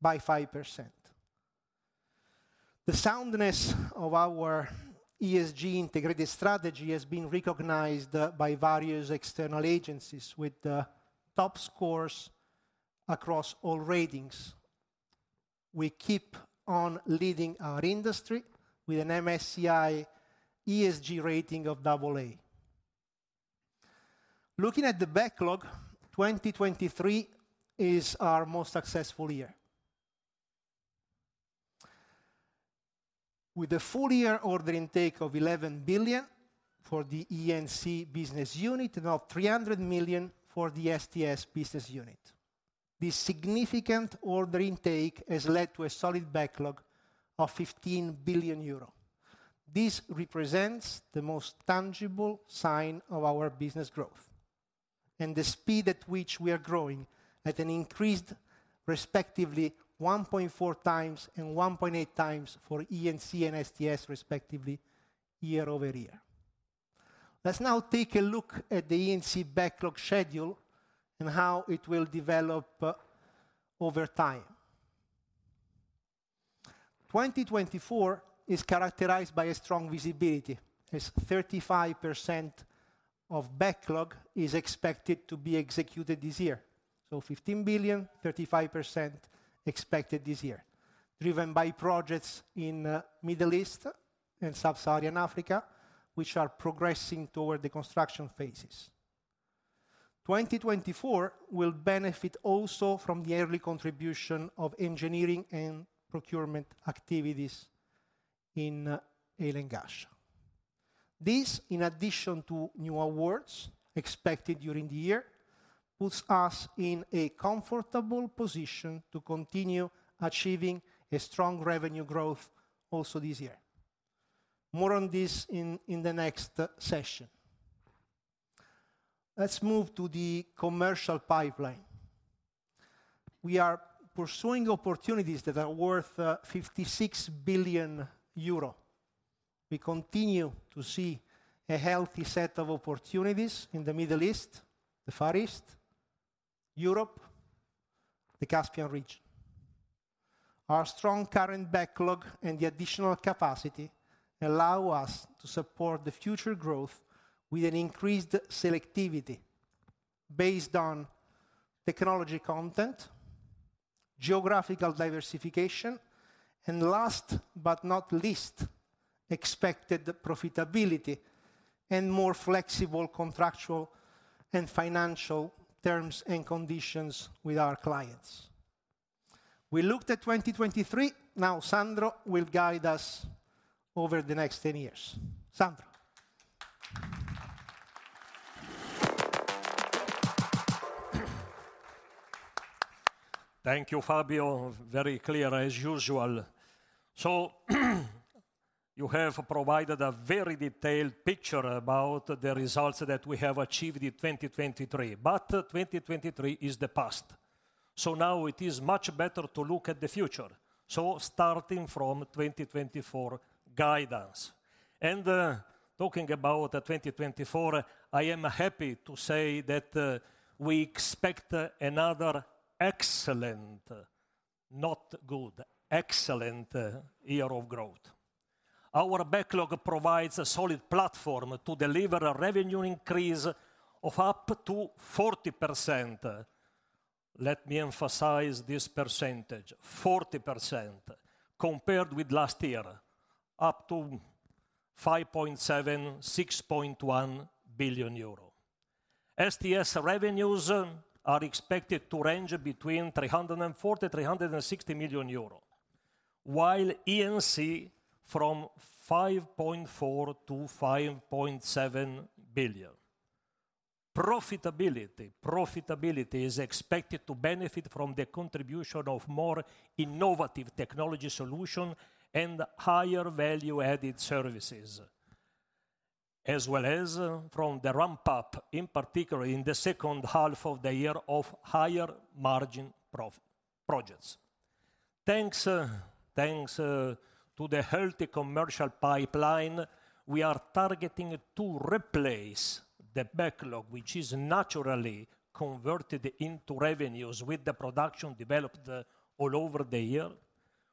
by 5%. The soundness of our ESG integrated strategy has been recognized by various external agencies with top scores across all ratings. We keep on leading our industry with an MSCI ESG rating of AA. Looking at the backlog, 2023 is our most successful year. With a full year order intake of 11 billion for the E&C business unit and of 300 million for the STS business unit. This significant order intake has led to a solid backlog of 15 billion euro. This represents the most tangible sign of our business growth and the speed at which we are growing at an increased respectively 1.4x and 1.8x for E&C and STS, respectively, year-over-year. Let's now take a look at the E&C backlog schedule and how it will develop, over time. 2024 is characterized by a strong visibility, as 35% of backlog is expected to be executed this year. So 15 billion, 35% expected this year, driven by projects in Middle East and Sub-Saharan Africa, which are progressing toward the construction phases. 2024 will benefit also from the early contribution of engineering and procurement activities in Hail and Ghasha. This, in addition to new awards expected during the year, puts us in a comfortable position to continue achieving a strong revenue growth also this year. More on this in the next session. Let's move to the commercial pipeline. We are pursuing opportunities that are worth 56 billion euro. We continue to see a healthy set of opportunities in the Middle East, the Far East, Europe, the Caspian region. Our strong current backlog and the additional capacity allow us to support the future growth with an increased selectivity based on technology content, geographical diversification, and last but not least, expected profitability and more flexible contractual and financial terms and conditions with our clients. We looked at 2023, now Sandro will guide us over the next 10 years. Sandro? Thank you, Fabio. Very clear, as usual. You have provided a very detailed picture about the results that we have achieved in 2023, but 2023 is the past. Now it is much better to look at the future, so starting from 2024 guidance. Talking about 2024, I am happy to say that we expect another excellent, not good, excellent, year of growth. Our backlog provides a solid platform to deliver a revenue increase of up to 40%. Let me emphasize this percentage, 40%, compared with last year, up to 5.7-6.1 billion euro. STS revenues are expected to range between 340 and 360 million euro, while E&C from 5.4 billion-5.7 billion. Profitability, profitability is expected to benefit from the contribution of more innovative technology solution and higher value-added services, as well as from the ramp-up, in particular, in the second half of the year of higher margin projects. Thanks, thanks, to the healthy commercial pipeline, we are targeting to replace the backlog, which is naturally converted into revenues, with the production developed all over the year,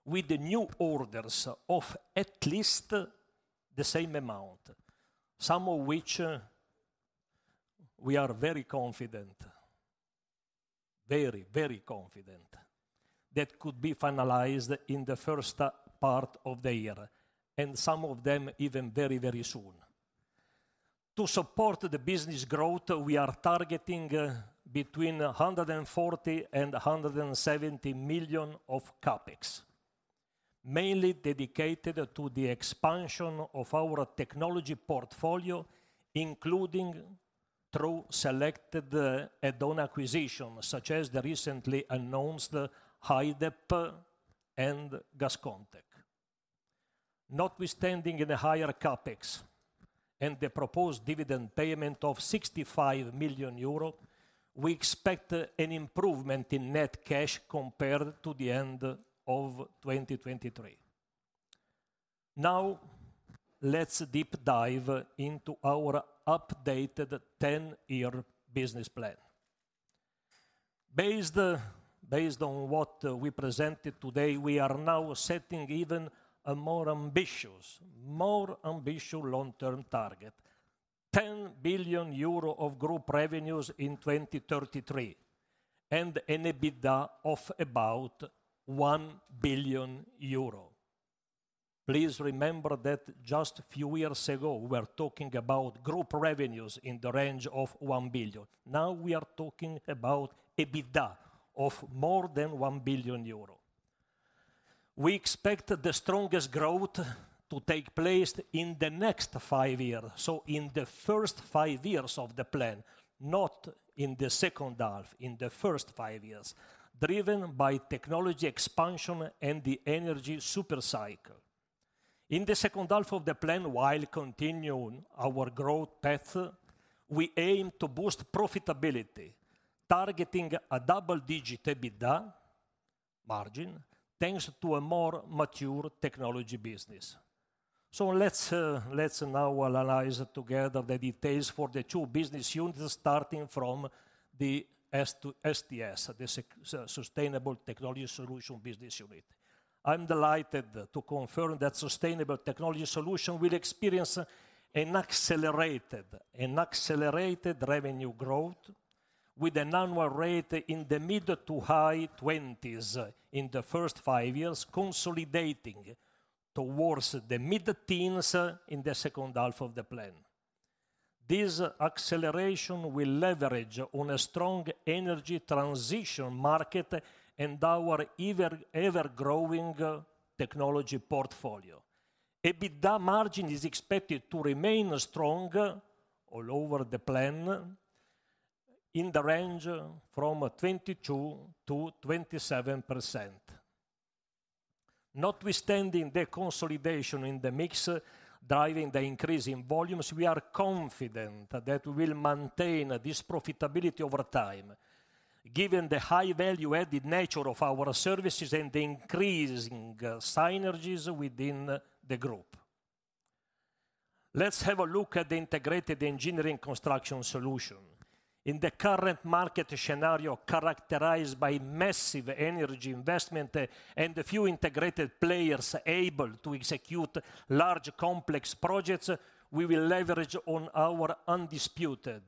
with the new orders of at least the same amount, some of which, we are very confident, very, very confident that could be finalized in the first part of the year, and some of them even very, very soon. To support the business growth, we are targeting between 140 million-170 million of CapEx, mainly dedicated to the expansion of our technology portfolio, including through selected add-on acquisitions, such as the recently announced HyDEP and GasConTec. Notwithstanding the higher CapEx and the proposed dividend payment of 65 million euro, we expect an improvement in net cash compared to the end of 2023. Now, let's deep dive into our updated 10-year business plan. Based on what we presented today, we are now setting even a more ambitious, more ambitious long-term target: 10 billion euro of group revenues in 2033, and an EBITDA of about 1 billion euro. Please remember that just a few years ago, we were talking about group revenues in the range of 1 billion. Now, we are talking about EBITDA of more than 1 billion euro. We expect the strongest growth to take place in the next five year, so in the first five years of the plan, not in the second half, in the first five years, driven by technology expansion and the energy super cycle. In the second half of the plan, while continuing our growth path, we aim to boost profitability, targeting a double-digit EBITDA margin, thanks to a more mature technology business. So let's now analyze together the details for the two business units, starting from STS, the Sustainable Technology Solutions business unit. I'm delighted to confirm that Sustainable Technology Solutions will experience an accelerated revenue growth with an annual rate in the mid to high-20s in the first 5 years, consolidating towards the mid-10s in the second half of the plan. This acceleration will leverage on a strong energy transition market and our ever-growing technology portfolio. EBITDA margin is expected to remain strong all over the plan in the range from 22%-27%. Notwithstanding the consolidation in the mix, driving the increase in volumes, we are confident that we will maintain this profitability over time, given the high value-added nature of our services and the increasing synergies within the group. Let's have a look at the integrated engineering construction solution. In the current market scenario, characterized by massive energy investment and a few integrated players able to execute large, complex projects, we will leverage on our undisputed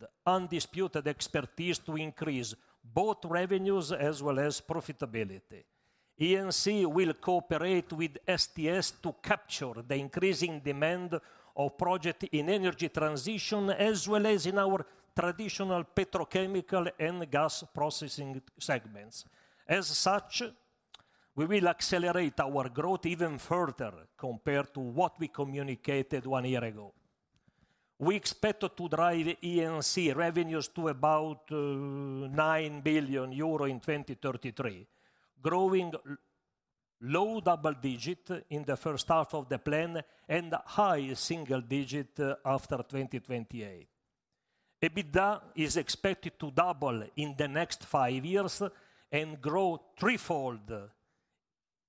expertise to increase both revenues as well as profitability. E&C will cooperate with STS to capture the increasing demand of project in energy transition, as well as in our traditional petrochemical and gas processing segments. As such, we will accelerate our growth even further compared to what we communicated one year ago. We expect to drive E&C revenues to about 9 billion euro in 2033, growing low double digit in the first half of the plan and high single digit after 2028. EBITDA is expected to double in the next five years and grow threefold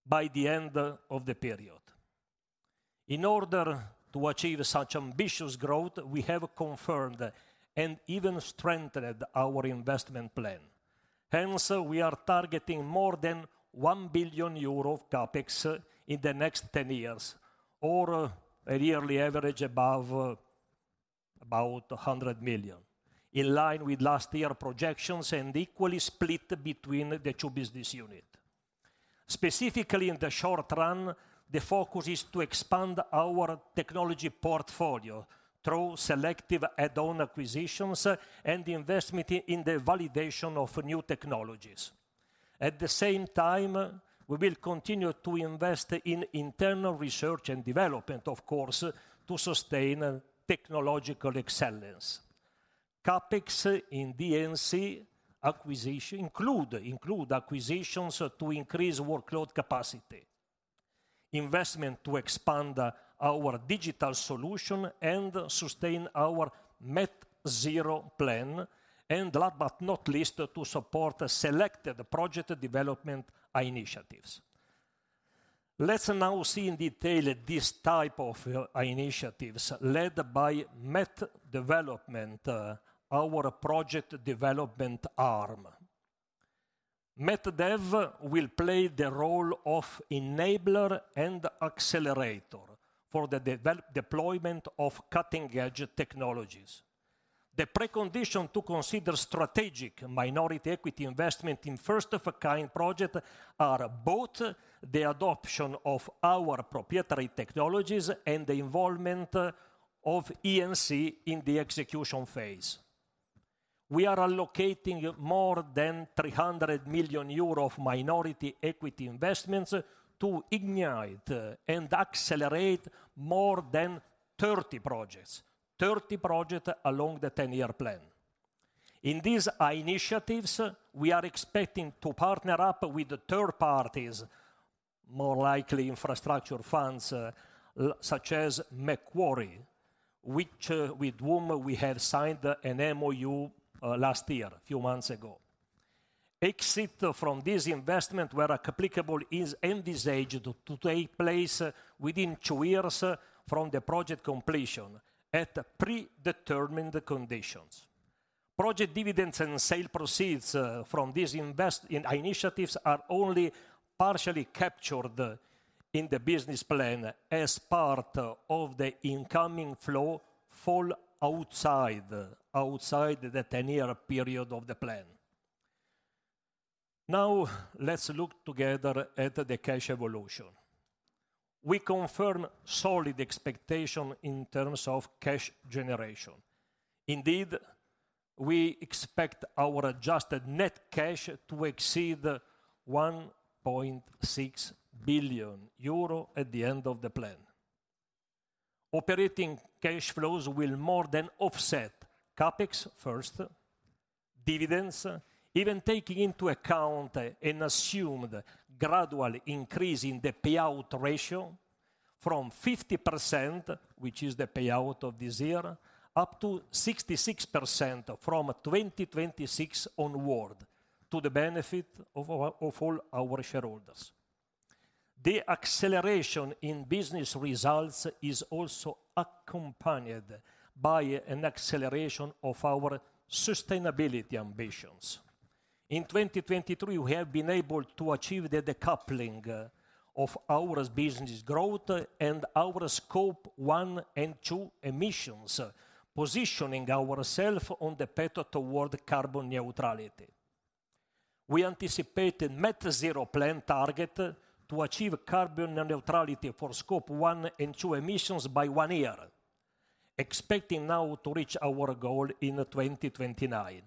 by the end of the period. In order to achieve such ambitious growth, we have confirmed and even strengthened our investment plan. Hence, we are targeting more than 1 billion euro of CapEx in the next 10 years, or a yearly average above about 100 million, in line with last year projections and equally split between the two business unit. Specifically, in the short run, the focus is to expand our technology portfolio through selective add-on acquisitions and investment in the validation of new technologies. At the same time, we will continue to invest in internal research and development, of course, to sustain technological excellence. CapEx in E&C acquisition include acquisitions to increase workload capacity, investment to expand our digital solution, and sustain our net zero plan, and last but not least, to support selected project development initiatives. Let's now see in detail this type of initiatives led by NEXTCHEM, our project development arm. MetDev will play the role of enabler and accelerator for the deployment of cutting-edge technologies. The precondition to consider strategic minority equity investment in first-of-a-kind project are both the adoption of our proprietary technologies and the involvement of E&C in the execution phase. We are allocating more than 300 million euro of minority equity investments to ignite and accelerate more than 30 projects, 30 projects along the ten-year plan. In these initiatives, we are expecting to partner up with third parties, more likely infrastructure funds, such as Macquarie, which, with whom we have signed an MOU, last year, a few months ago. Exit from this investment, where applicable, is envisaged to take place within 2 years from the project completion at predetermined conditions. Project dividends and sale proceeds from this invest in initiatives are only partially captured in the business plan as part of the incoming flow fall outside the ten-year period of the plan. Now, let's look together at the cash evolution. We confirm solid expectation in terms of cash generation. Indeed, we expect our adjusted net cash to exceed 1.6 billion euro at the end of the plan. Operating cash flows will more than offset CapEx first, dividends, even taking into account an assumed gradual increase in the payout ratio from 50%, which is the payout of this year, up to 66% from 2026 onward to the benefit of all our shareholders. The acceleration in business results is also accompanied by an acceleration of our sustainability ambitions. In 2023, we have been able to achieve the decoupling of our business growth and our Scope 1 and 2 emissions, positioning ourselves on the path toward carbon neutrality. We anticipate a net zero plan target to achieve carbon neutrality for Scope 1 and 2 emissions by one year, expecting now to reach our goal in 2029.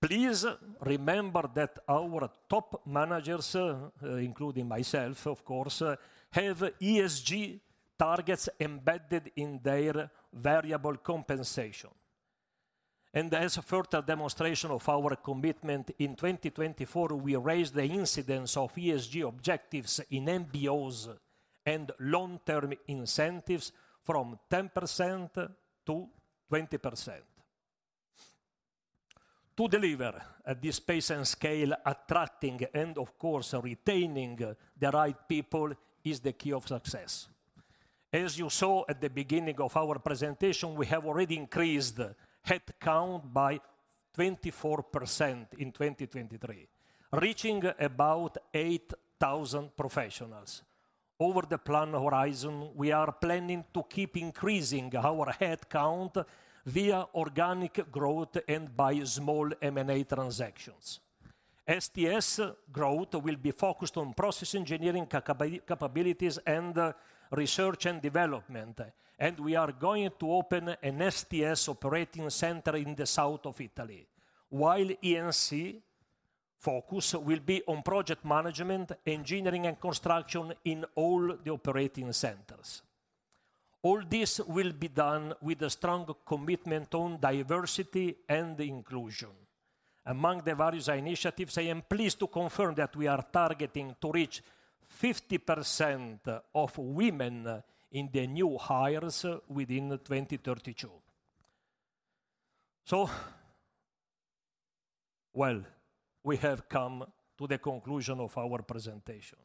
Please remember that our top managers, including myself, of course, have ESG targets embedded in their variable compensation. As a further demonstration of our commitment, in 2024, we raised the incidence of ESG objectives in MBOs and long-term incentives from 10% to 20%. To deliver at this pace and scale, attracting and of course, retaining the right people is the key of success. As you saw at the beginning of our presentation, we have already increased headcount by 24% in 2023, reaching about 8,000 professionals. Over the plan horizon, we are planning to keep increasing our headcount via organic growth and by small M&A transactions. STS growth will be focused on process engineering capabilities and research and development, and we are going to open an STS operating center in the south of Italy. While E&C focus will be on project management, engineering, and construction in all the operating centers. All this will be done with a strong commitment on diversity and inclusion. Among the various initiatives, I am pleased to confirm that we are targeting to reach 50% of women in the new hires within 2032. So, well, we have come to the conclusion of our presentation.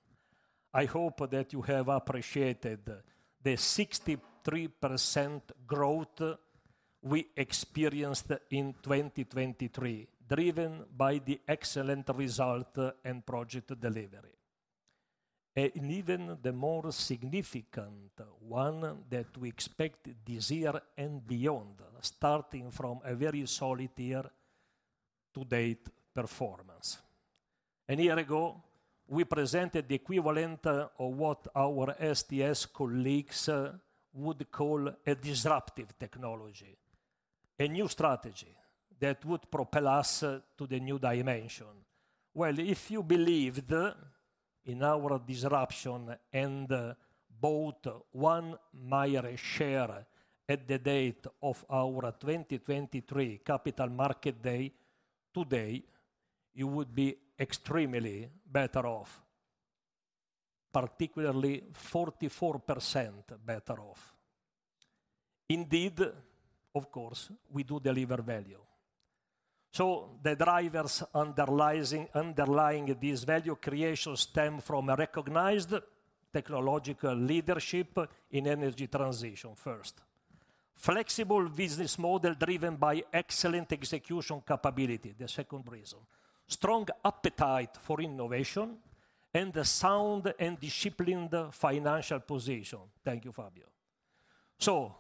I hope that you have appreciated the 63% growth we experienced in 2023, driven by the excellent result and project delivery. Even the more significant one that we expect this year and beyond, starting from a very solid year-to-date performance. A year ago, we presented the equivalent of what our STS colleagues would call a disruptive technology, a new strategy that would propel us to the new dimension. Well, if you believed in our disruption and bought one Maire share at the date of our 2023 capital market day, today, you would be extremely better off, particularly 44% better off. Indeed, of course, we do deliver value. The drivers underlying this value creation stem from a recognized technological leadership in energy transition first. Flexible business model driven by excellent execution capability, the second reason. Strong appetite for innovation and a sound and disciplined financial position. Thank you, Fabio. So,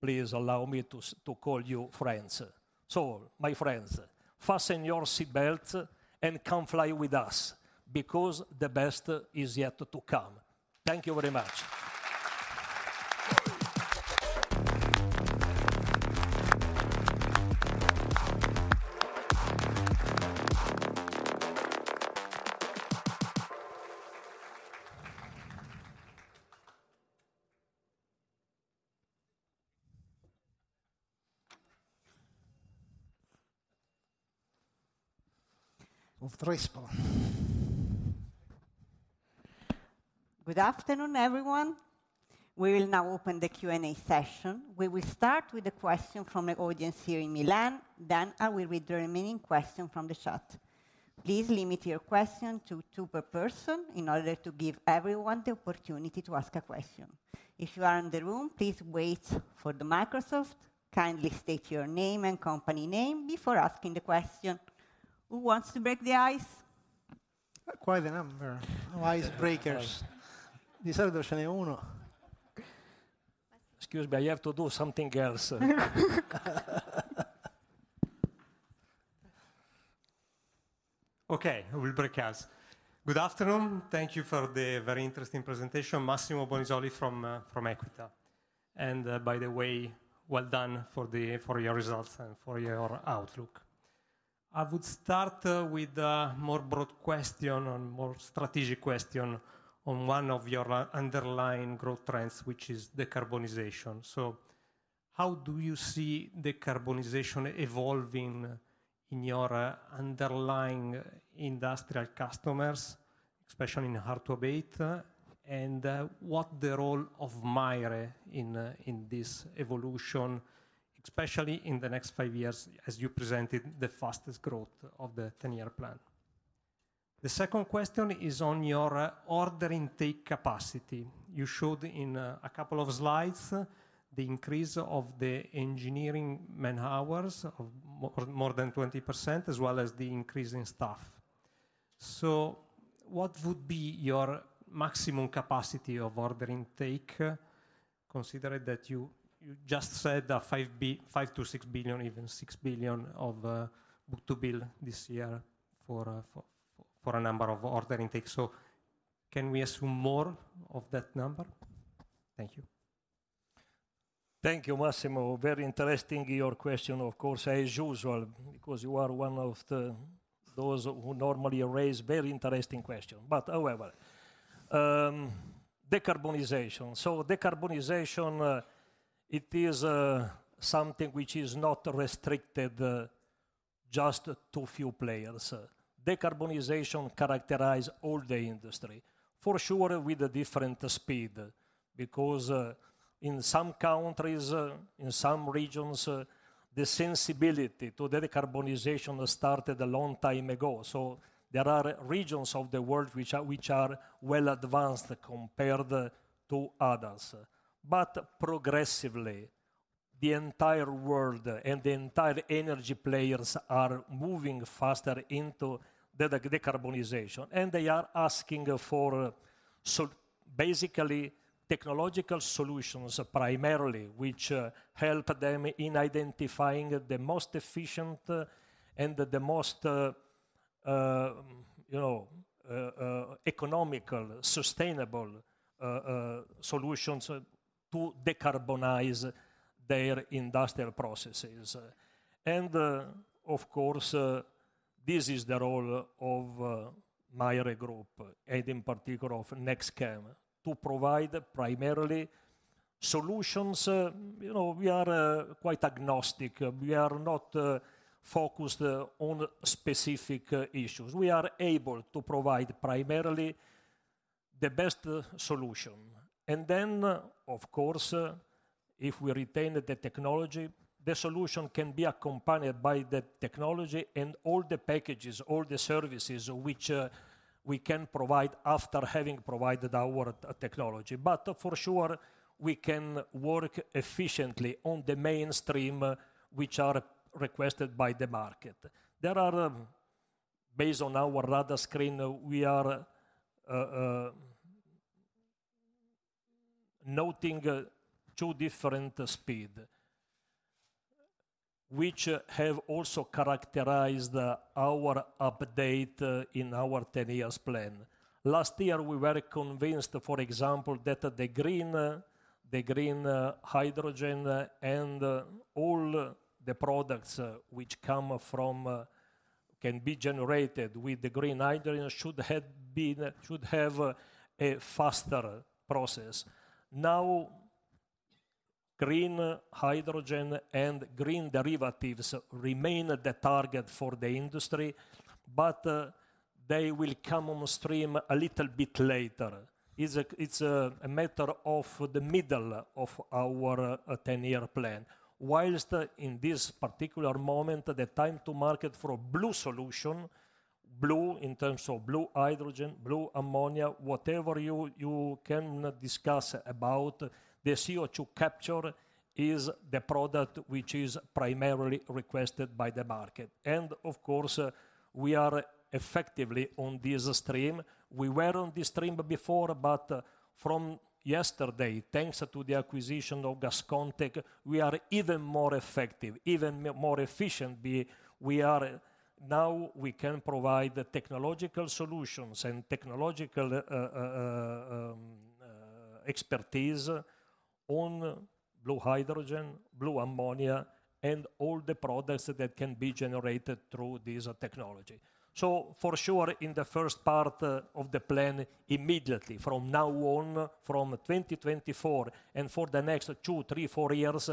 please allow me to call you friends. So my friends, fasten your seatbelt and come fly with us because the best is yet to come. Thank you very much. Good afternoon, everyone. We will now open the Q&A session. We will start with a question from the audience here in Milan, then I will read the remaining questions from the chat. Please limit your questions to two per person in order to give everyone the opportunity to ask a question. If you are in the room, please wait for the microphone. Kindly state your name and company name before asking the question. Who wants to break the ice? Quite a number. No icebreakers. Excuse me, I have to do something else. Okay, I will break the ice. Good afternoon. Thank you for the very interesting presentation, Massimo Bonisoli from Equita. And, by the way, well done for the, for your results and for your outlook. I would start with a more broad question on more strategic question on one of your underlying growth trends, which is decarbonization. So how do you see decarbonization evolving in your underlying industrial customers, especially in hard-to-abate? And, what the role of Maire in this evolution, especially in the next five years, as you presented the fastest growth of the 10-year plan? The second question is on your order intake capacity. You showed in a couple of slides the increase of the engineering man-hours of more than 20%, as well as the increase in staff. So what would be your maximum capacity of order intake, considering that you just said 5 billion-6 billion, even 6 billion of book-to-bill this year for a number of order intake. So can we assume more of that number? Thank you. Thank you, Massimo. Very interesting, your question, of course, as usual, because you are one of those who normally raise very interesting question. But however, decarbonization. So decarbonization, it is something which is not restricted just to few players. Decarbonization characterize all the industry, for sure, with a different speed, because in some countries, in some regions, the sensibility to the decarbonization started a long time ago. So there are regions of the world which are well advanced compared to others. But progressively, the entire world and the entire energy players are moving faster into the decarbonization, and they are asking for so basically, technological solutions primarily, which help them in identifying the most efficient and the most, you know, economical, sustainable solutions to decarbonize their industrial processes. Of course, this is the role of my group, and in particular of NEXTCHEM, to provide primarily solutions. You know, we are quite agnostic. We are not focused on specific issues. We are able to provide primarily the best solution, and then, of course, if we retain the technology, the solution can be accompanied by the technology and all the packages, all the services which we can provide after having provided our technology. But for sure, we can work efficiently on the mainstream, which are requested by the market. There are, based on our radar screen, we are noting two different speed, which have also characterized our update in our ten years plan. Last year, we were convinced, for example, that the green, the green, hydrogen and all the products which come from can be generated with the green hydrogen, should have been, should have, a faster process. Now, green hydrogen and green derivatives remain the target for the industry, but they will come on stream a little bit later. It's a matter of the middle of our ten-year plan. While, in this particular moment, the time to market for a blue solution, blue in terms of blue hydrogen, blue ammonia, whatever you can discuss about, the CO2 capture is the product which is primarily requested by the market. And of course, we are effectively on this stream. We were on this stream before, but from yesterday, thanks to the acquisition of GasConTec, we are even more effective, even more efficient. Now, we can provide the technological solutions and technological expertise on blue hydrogen, blue ammonia, and all the products that can be generated through this technology. So for sure, in the first part of the plan, immediately from now on, from 2024, and for the next two, three, four years,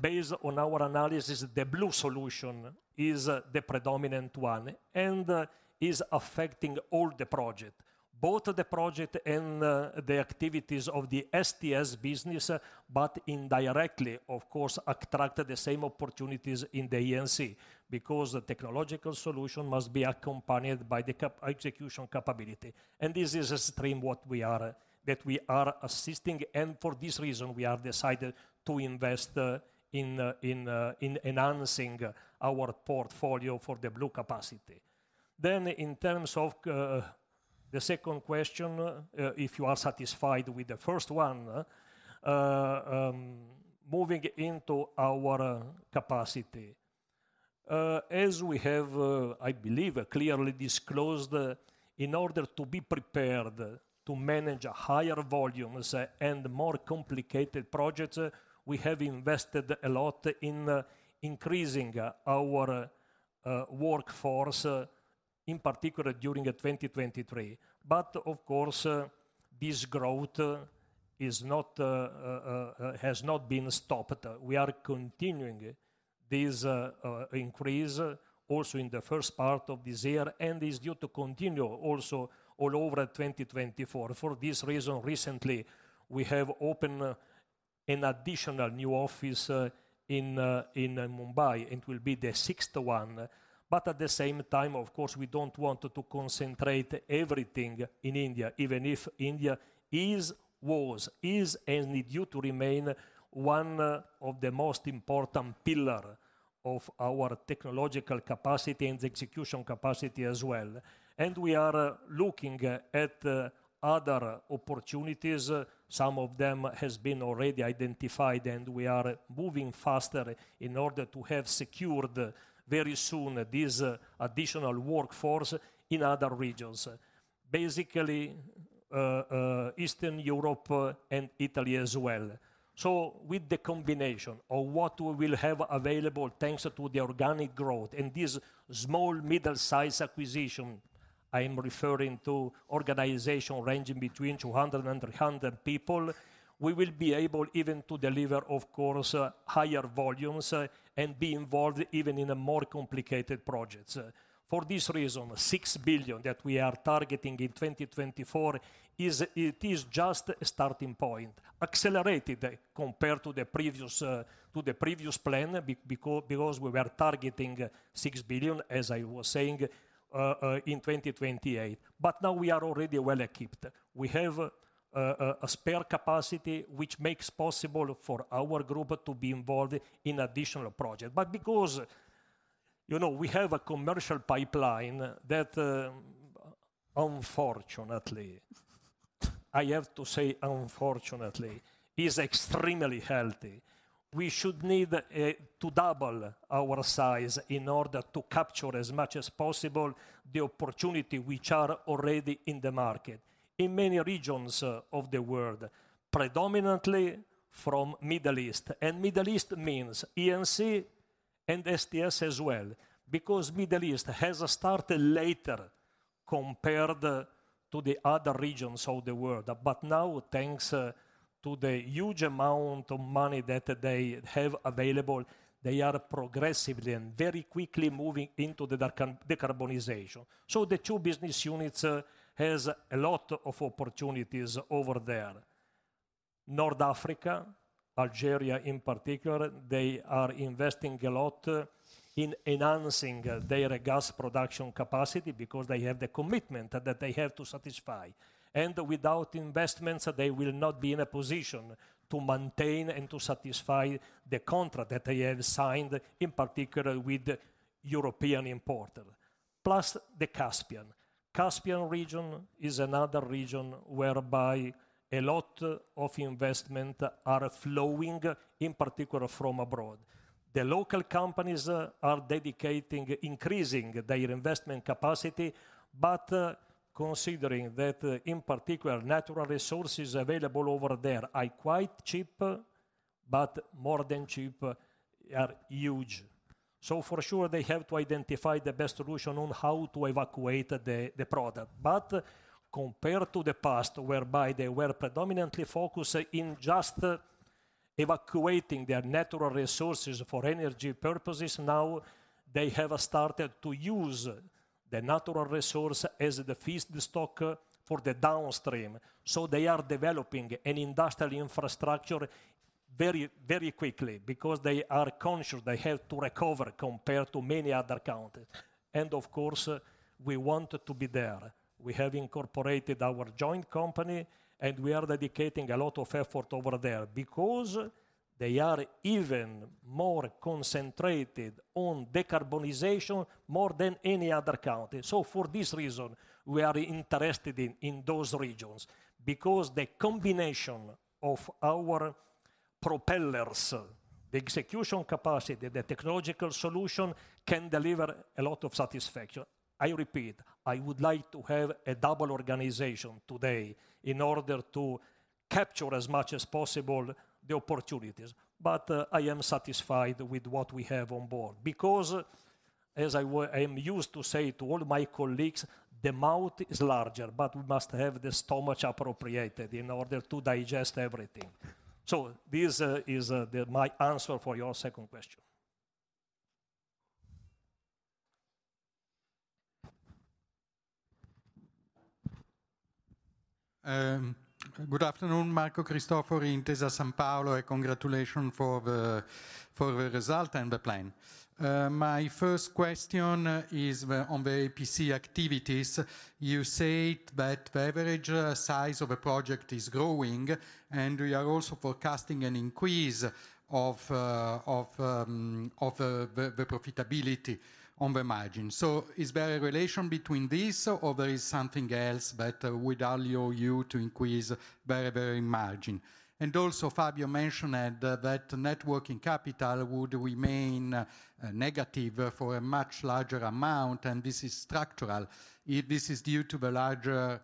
based on our analysis, the blue solution is the predominant one and is affecting all the project. Both the project and the activities of the STS business, but indirectly, of course, attract the same opportunities in the EPC, because the technological solution must be accompanied by the EPC execution capability. And this is a stream what we are that we are assisting, and for this reason, we have decided to invest in enhancing our portfolio for the blue capacity. Then in terms of the second question, if you are satisfied with the first one, moving into our capacity. As we have, I believe, clearly disclosed, in order to be prepared to manage higher volumes and more complicated projects, we have invested a lot in increasing our workforce in particular during 2023. But of course, this growth has not been stopped. We are continuing this increase also in the first part of this year, and is due to continue also all over 2024. For this reason, recently, we have opened an additional new office in Mumbai. It will be the sixth one. But at the same time, of course, we don't want to concentrate everything in India, even if India is, was, is, and is due to remain one of the most important pillar of our technological capacity and execution capacity as well. And we are looking at other opportunities. Some of them has been already identified, and we are moving faster in order to have secured very soon this additional workforce in other regions. Basically, Eastern Europe and Italy as well. So with the combination of what we will have available, thanks to the organic growth and this small middle size acquisition, I am referring to organization ranging between 200 peple-300 people, we will be able even to deliver, of course, higher volumes, and be involved even in more complicated projects. For this reason, 6 billion that we are targeting in 2024, it is just a starting point, accelerated compared to the previous, to the previous plan, because, because we were targeting 6 billion, as I was saying, in 2028. But now we are already well equipped. We have a spare capacity, which makes possible for our group to be involved in additional project. But because, you know, we have a commercial pipeline that, unfortunately, I have to say unfortunately, is extremely healthy. We should need to double our size in order to capture as much as possible the opportunity which are already in the market, in many regions of the world, predominantly from Middle East. Middle East means E&C and STS as well, because Middle East has started later compared to the other regions of the world. Now, thanks to the huge amount of money that they have available, they are progressively and very quickly moving into decarbonization. The two business units has a lot of opportunities over there. North Africa, Algeria in particular, they are investing a lot in enhancing their gas production capacity because they have the commitment that they have to satisfy, and without investments, they will not be in a position to maintain and to satisfy the contract that they have signed, in particular with European importer. Plus, the Caspian. The Caspian region is another region whereby a lot of investment are flowing, in particular from abroad. The local companies are dedicating increasing their investment capacity, but considering that, in particular, natural resources available over there are quite cheap, but more than cheap, are huge. So for sure, they have to identify the best solution on how to evacuate the product. But compared to the past, whereby they were predominantly focused in just evacuating their natural resources for energy purposes, now they have started to use the natural resource as the feedstock for the downstream. So they are developing an industrial infrastructure very, very quickly because they are conscious they have to recover compared to many other countries. And of course, we want to be there. We have incorporated our joint company, and we are dedicating a lot of effort over there because they are even more concentrated on decarbonization more than any other country. So for this reason, we are interested in those regions, because the combination of our propellers, the execution capacity, the technological solution, can deliver a lot of satisfaction. I repeat, I would like to have a double organization today in order to capture as much as possible the opportunities, but I am satisfied with what we have on board. Because as I am used to say to all my colleagues, the mouth is larger, but we must have the stomach appropriate in order to digest everything. So this is my answer for your second question. Good afternoon, Marco Cristofori, Intesa Sanpaolo, and congratulations for the result and the plan. My first question is on the EPC activities. You said that the average size of a project is growing, and we are also forecasting an increase of the profitability on the margin. So is there a relation between this, or there is something else that would allow you to increase very, very margin? And also, Fabio mentioned that networking capital would remain negative for a much larger amount, and this is structural. Is this due to the larger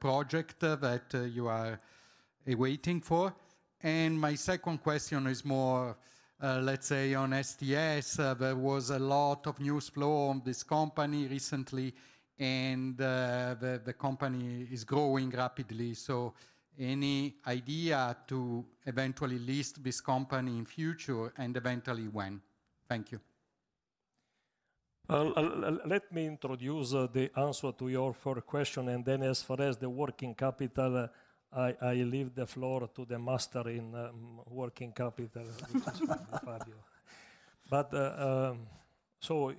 project that you are awaiting for? And my second question is more, let's say, on STS. There was a lot of news flow on this company recently, and the company is growing rapidly. Any idea to eventually list this company in future and eventually when? Thank you. Let me introduce the answer to your first question, and then as far as the working capital, I leave the floor to the master in working capital, which is Fabio. But, so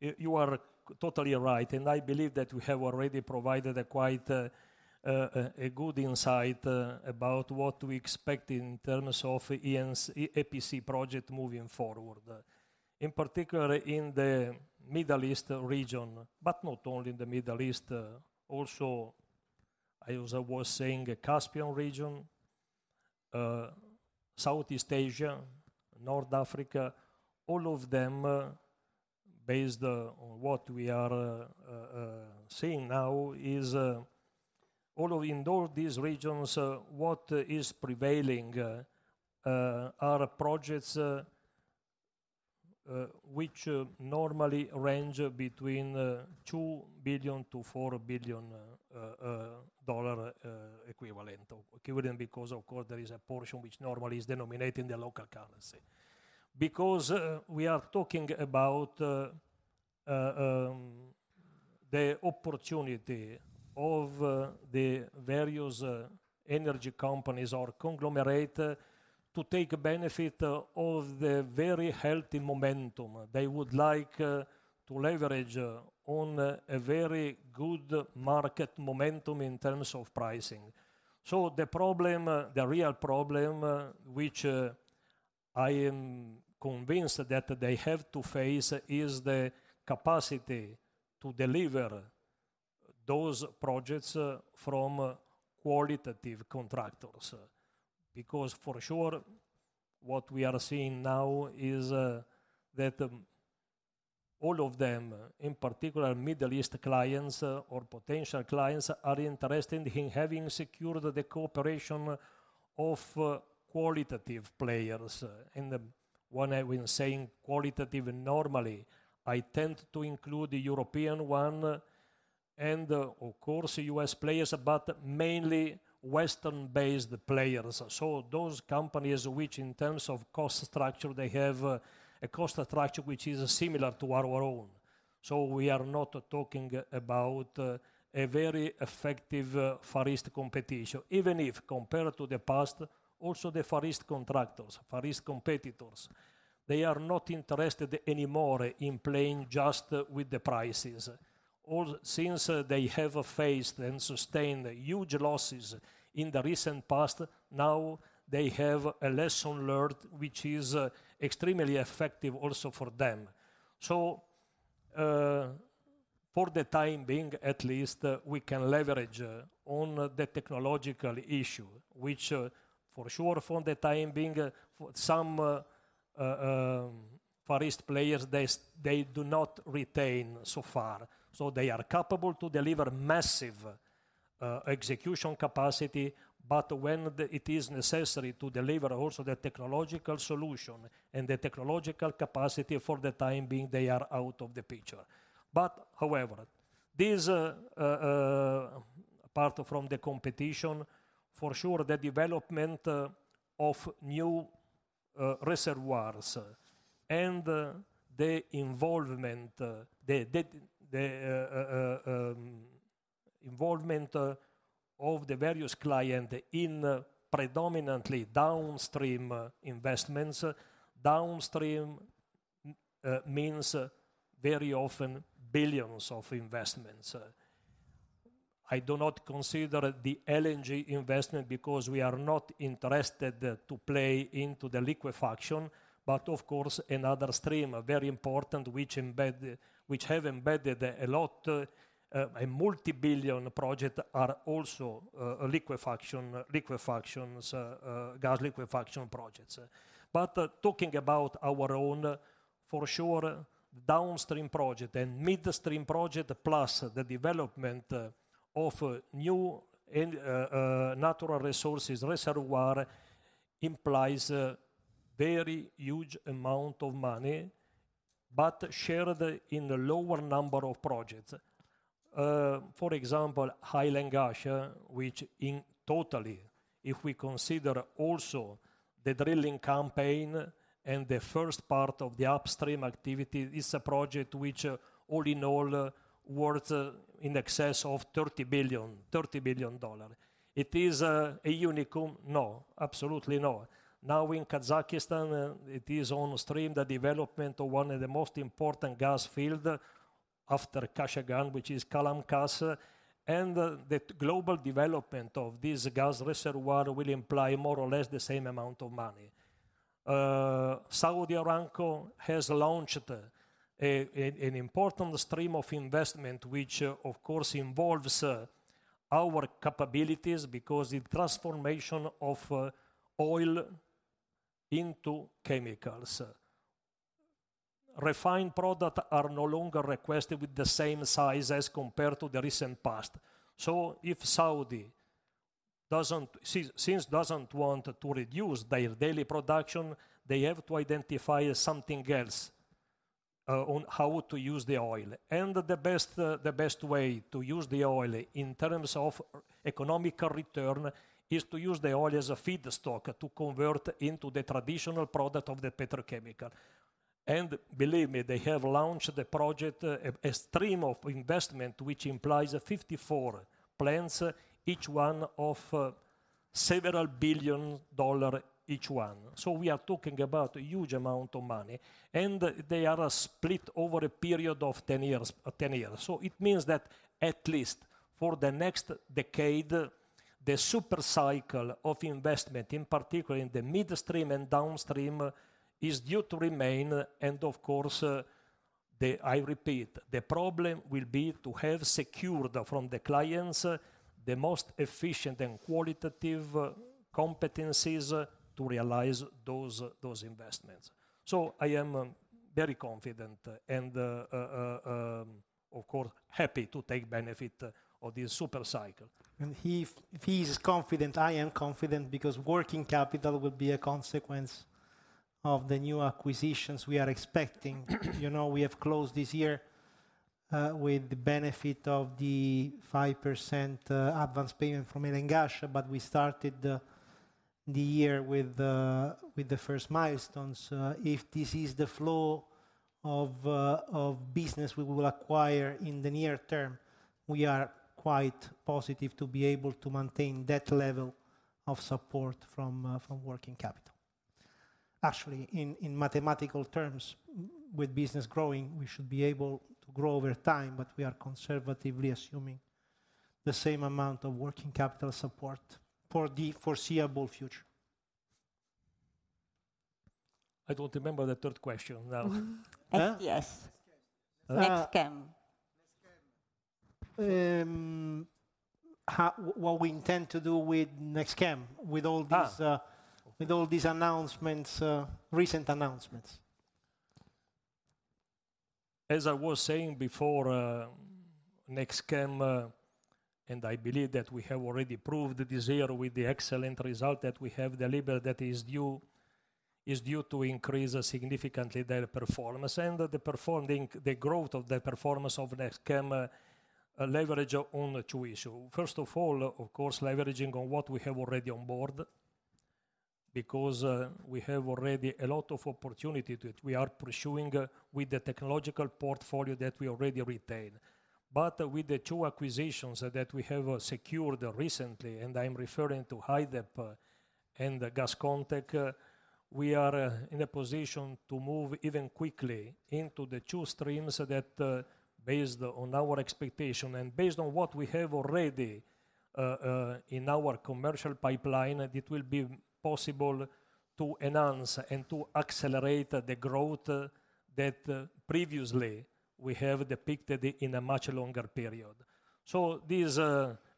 you are totally right, and I believe that we have already provided a quite a good insight about what we expect in terms of EPC project moving forward. In particular, in the Middle East region, but not only in the Middle East, also, I was saying Caspian region, Southeast Asia, North Africa, all of them, based on what we are seeing now, is all of... In all these regions, what is prevailing are projects which normally range between $2 billion-$4 billion dollar equivalent, equivalent because of course, there is a portion which normally is denominated in the local currency. Because, we are talking about the opportunity of the various energy companies or conglomerate to take benefit of the very healthy momentum. They would like to leverage on a very good market momentum in terms of pricing. So the problem, the real problem, which I am convinced that they have to face, is the capacity to deliver those projects from qualitative contractors. Because for sure, what we are seeing now is that all of them, in particular Middle East clients or potential clients, are interested in having secured the cooperation of qualitative players, when I will saying qualitative and normally, I tend to include the European one and, of course, U.S. players, but mainly Western-based players. So those companies which in terms of cost structure, they have a cost structure which is similar to our own. So we are not talking about a very effective Far East competition. Even if compared to the past, also the Far East contractors, Far East competitors, they are not interested anymore in playing just with the prices. Since they have faced and sustained huge losses in the recent past, now they have a lesson learned, which is extremely effective also for them. So, for the time being, at least, we can leverage on the technological issue, which, for sure, for the time being, for some, Far East players, they do not retain so far. So they are capable to deliver massive, execution capacity, but when it is necessary to deliver also the technological solution and the technological capacity, for the time being, they are out of the picture. But however, this, apart from the competition, for sure, the development, of new, reservoirs and the involvement, of the various client in predominantly downstream investments. Downstream, means very often billions of investments. I do not consider the LNG investment because we are not interested to play into the liquefaction, but of course, another stream, very important, which embed, which have embedded a lot, a multi-billion project, are also, liquefaction, liquefactions, gas liquefaction projects. But talking about our own, for sure, downstream project and midstream project, plus the development of new, natural resources reservoir, implies a very huge amount of money, but shared in a lower number of projects. For example, Highland Gas, which in total, if we consider also the drilling campaign and the first part of the upstream activity, is a project which all in all, worth in excess of $30 billion. It is, a unicorn? No, absolutely no. Now, in Kazakhstan, it is on stream, the development of one of the most important gas field after Kashagan, which is Kalamkas, and the global development of this gas reservoir will imply more or less the same amount of money. Saudi Aramco has launched an important stream of investment, which, of course, involves our capabilities because the transformation of oil into chemicals. Refined product are no longer requested with the same size as compared to the recent past. So if Saudi doesn't—since Saudi doesn't want to reduce their daily production, they have to identify something else on how to use the oil. And the best way to use the oil in terms of economical return is to use the oil as a feedstock to convert into the traditional product of the petrochemical. And believe me, they have launched the project, a stream of investment, which implies 54 plants, each one of several billion dollars, each one. So we are talking about a huge amount of money, and they are split over a period of 10 years. So it means that at least for the next decade, the super cycle of investment, in particular in the midstream and downstream, is due to remain. And of course, I repeat, the problem will be to have secured from the clients, the most efficient and qualitative competencies to realize those investments. So I am very confident and, of course, happy to take benefit of this super cycle. He, if he is confident, I am confident because working capital will be a consequence of the new acquisitions we are expecting. You know, we have closed this year with the benefit of the 5% advance payment from Hail and Ghasha, but we started the year with the first milestones. If this is the flow of business we will acquire in the near term, we are quite positive to be able to maintain that level of support from working capital. Actually, in mathematical terms, with business growing, we should be able to grow over time, but we are conservatively assuming the same amount of working capital support for the foreseeable future. I don't remember the third question now. Yes. Eh? NEXTCHEM. Ah. NEXTCHEM. What we intend to do with NEXTCHEM, with all these- Ah!... with all these announcements, recent announcements. ...As I was saying before, NEXTCHEM, and I believe that we have already proved this year with the excellent result that we have delivered, that is due, is due to increase significantly their performance. The growth of the performance of NEXTCHEM leverage on two issue. First of all, of course, leveraging on what we have already on board, because we have already a lot of opportunity that we are pursuing with the technological portfolio that we already retain. But with the two acquisitions that we have secured recently, and I'm referring to HyDEP and GasConTec, we are in a position to move even quickly into the two streams that, based on our expectation and based on what we have already in our commercial pipeline, it will be possible to enhance and to accelerate the growth that previously we have depicted in a much longer period. So this,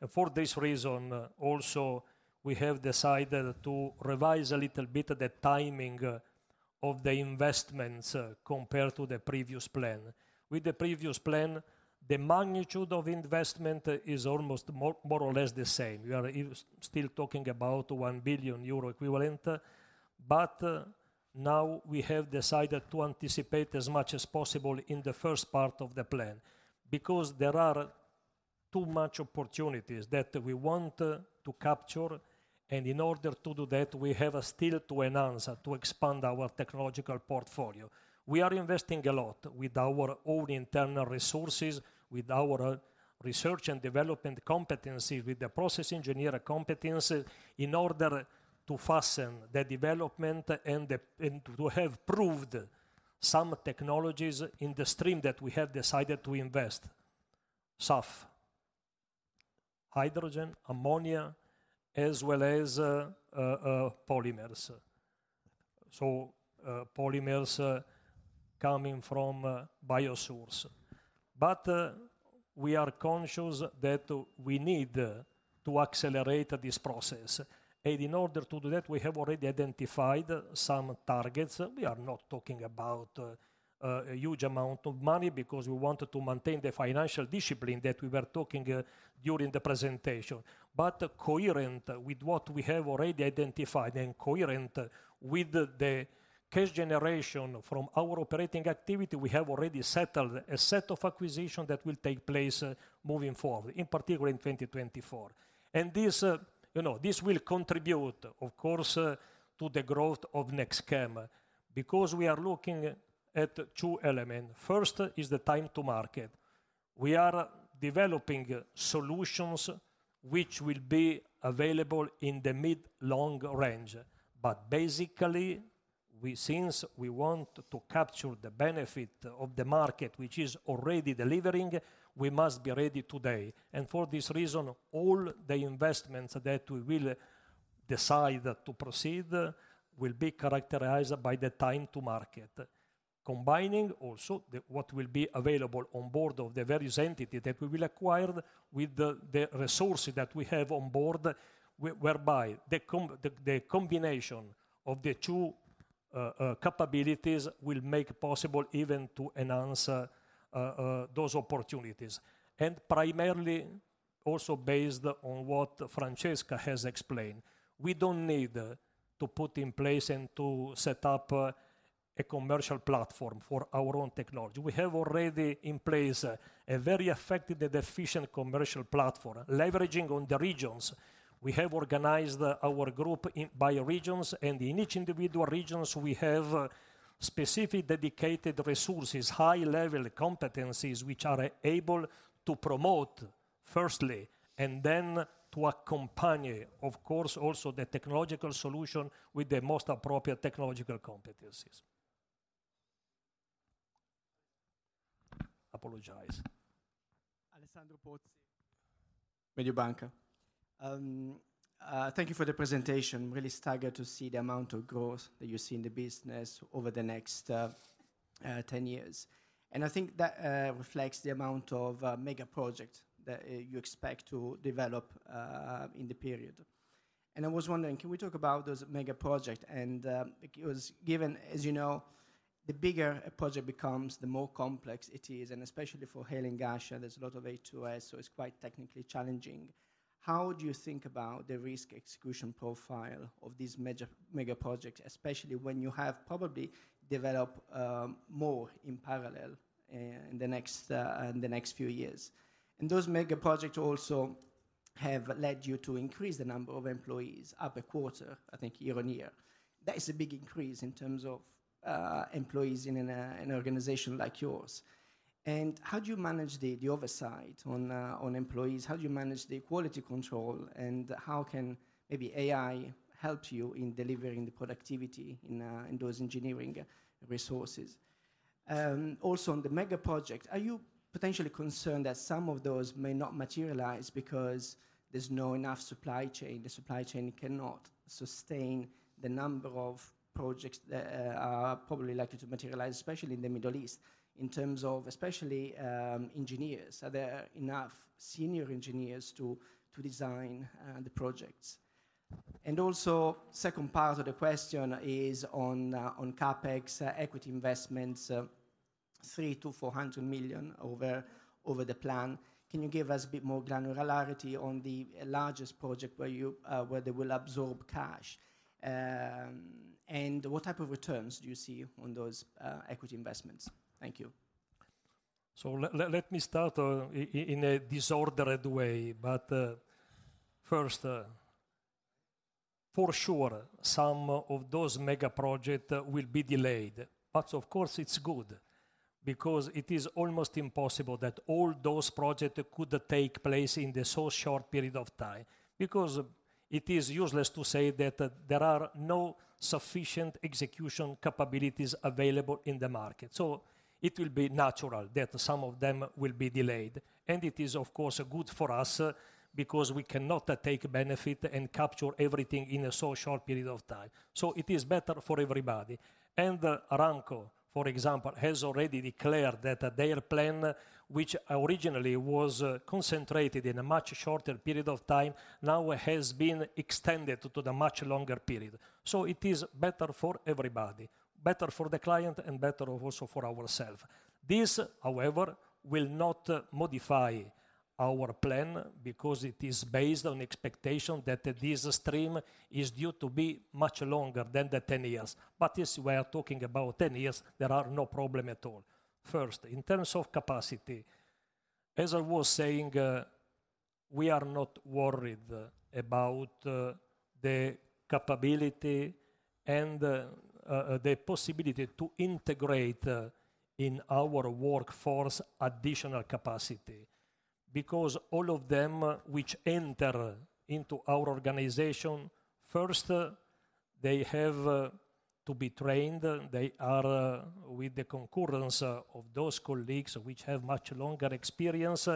for this reason also, we have decided to revise a little bit the timing of the investments compared to the previous plan. With the previous plan, the magnitude of investment is almost more, more or less the same. We are still talking about 1 billion euro equivalent, but now we have decided to anticipate as much as possible in the first part of the plan, because there are too much opportunities that we want to capture, and in order to do that, we have still to enhance, to expand our technological portfolio. We are investing a lot with our own internal resources, with our research and development competencies, with the process engineer competencies, in order to fasten the development and to have proved some technologies in the stream that we have decided to invest: SAF, hydrogen, ammonia, as well as polymers. So, polymers coming from bio source. But we are conscious that we need to accelerate this process. In order to do that, we have already identified some targets. We are not talking about a huge amount of money because we wanted to maintain the financial discipline that we were talking during the presentation. But coherent with what we have already identified and coherent with the cash generation from our operating activity, we have already settled a set of acquisition that will take place moving forward, in particular in 2024. And this, you know, this will contribute, of course, to the growth of NEXTCHEM, because we are looking at two element. First is the time to market. We are developing solutions which will be available in the mid long range. But basically, since we want to capture the benefit of the market, which is already delivering, we must be ready today. And for this reason, all the investments that we will decide to proceed will be characterized by the time to market. Combining also the what will be available on board of the various entity that we will acquire with the, the resources that we have on board, whereby the combination of the two capabilities will make possible even to enhance those opportunities. And primarily, also based on what Francesca has explained, we don't need to put in place and to set up a commercial platform for our own technology. We have already in place a very effective and efficient commercial platform, leveraging on the regions. We have organized our group in by regions, and in each individual regions, we have specific dedicated resources, high-level competencies, which are able to promote firstly, and then to accompany, of course, also the technological solution with the most appropriate technological competencies. Apologize. Alessandro Pozzi, Mediobanca. Thank you for the presentation. Really staggered to see the amount of growth that you see in the business over the next 10 years. I think that reflects the amount of mega projects that you expect to develop in the period. I was wondering, can we talk about those mega project? Given, as you know, the bigger a project becomes, the more complex it is, and especially for Hail and Ghasha, there's a lot of H2S, so it's quite technically challenging. How do you think about the risk execution profile of these mega projects, especially when you have probably developed more in parallel in the next few years? Those mega projects also have led you to increase the number of employees up a quarter, I think year-over-year. That is a big increase in terms of employees in an organization like yours. How do you manage the oversight on employees? How do you manage the quality control? How can maybe AI help you in delivering the productivity in those engineering resources? Also on the mega project, are you potentially concerned that some of those may not materialize because there's no enough supply chain, the supply chain cannot sustain the number of projects that are probably likely to materialize, especially in the Middle East, in terms of especially engineers? Are there enough senior engineers to design the projects? And also, second part of the question is on CapEx, equity investments...... 300 million-400 million over, over the plan. Can you give us a bit more granularity on the largest project where you, where they will absorb cash? And what type of returns do you see on those, equity investments? Thank you. So let me start in a disordered way. But first, for sure, some of those mega projects will be delayed. But of course it's good, because it is almost impossible that all those projects could take place in the so short period of time. Because it is useless to say that there are no sufficient execution capabilities available in the market. So it will be natural that some of them will be delayed, and it is of course good for us because we cannot take benefit and capture everything in a so short period of time. So it is better for everybody. And Aramco, for example, has already declared that their plan, which originally was concentrated in a much shorter period of time, now has been extended to the much longer period. So it is better for everybody, better for the client, and better also for ourselves. This, however, will not modify our plan because it is based on expectation that this stream is due to be much longer than the 10 years. But yes, we are talking about 10 years, there are no problem at all. First, in terms of capacity, as I was saying, we are not worried about the capability and the possibility to integrate in our workforce additional capacity, because all of them which enter into our organization, first, they have to be trained. They are with the concurrence of those colleagues which have much longer experience.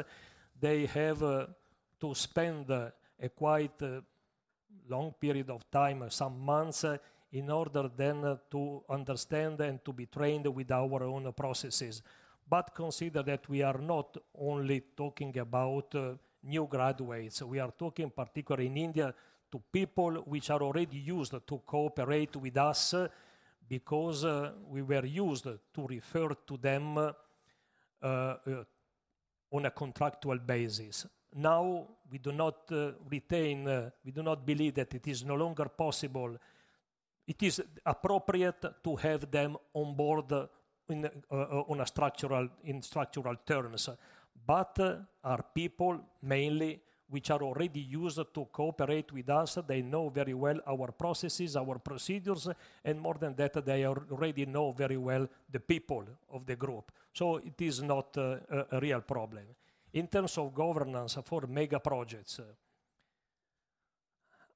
They have to spend a quite long period of time, some months, in order then to understand and to be trained with our own processes. But consider that we are not only talking about new graduates, we are talking particularly in India to people which are already used to cooperate with us because we were used to refer to them on a contractual basis. Now we do not... We do not believe that it is no longer possible. It is appropriate to have them on board in structural terms. But are people mainly which are already used to cooperate with us, they know very well our processes, our procedures, and more than that, they already know very well the people of the group. So it is not a real problem. In terms of governance for mega projects,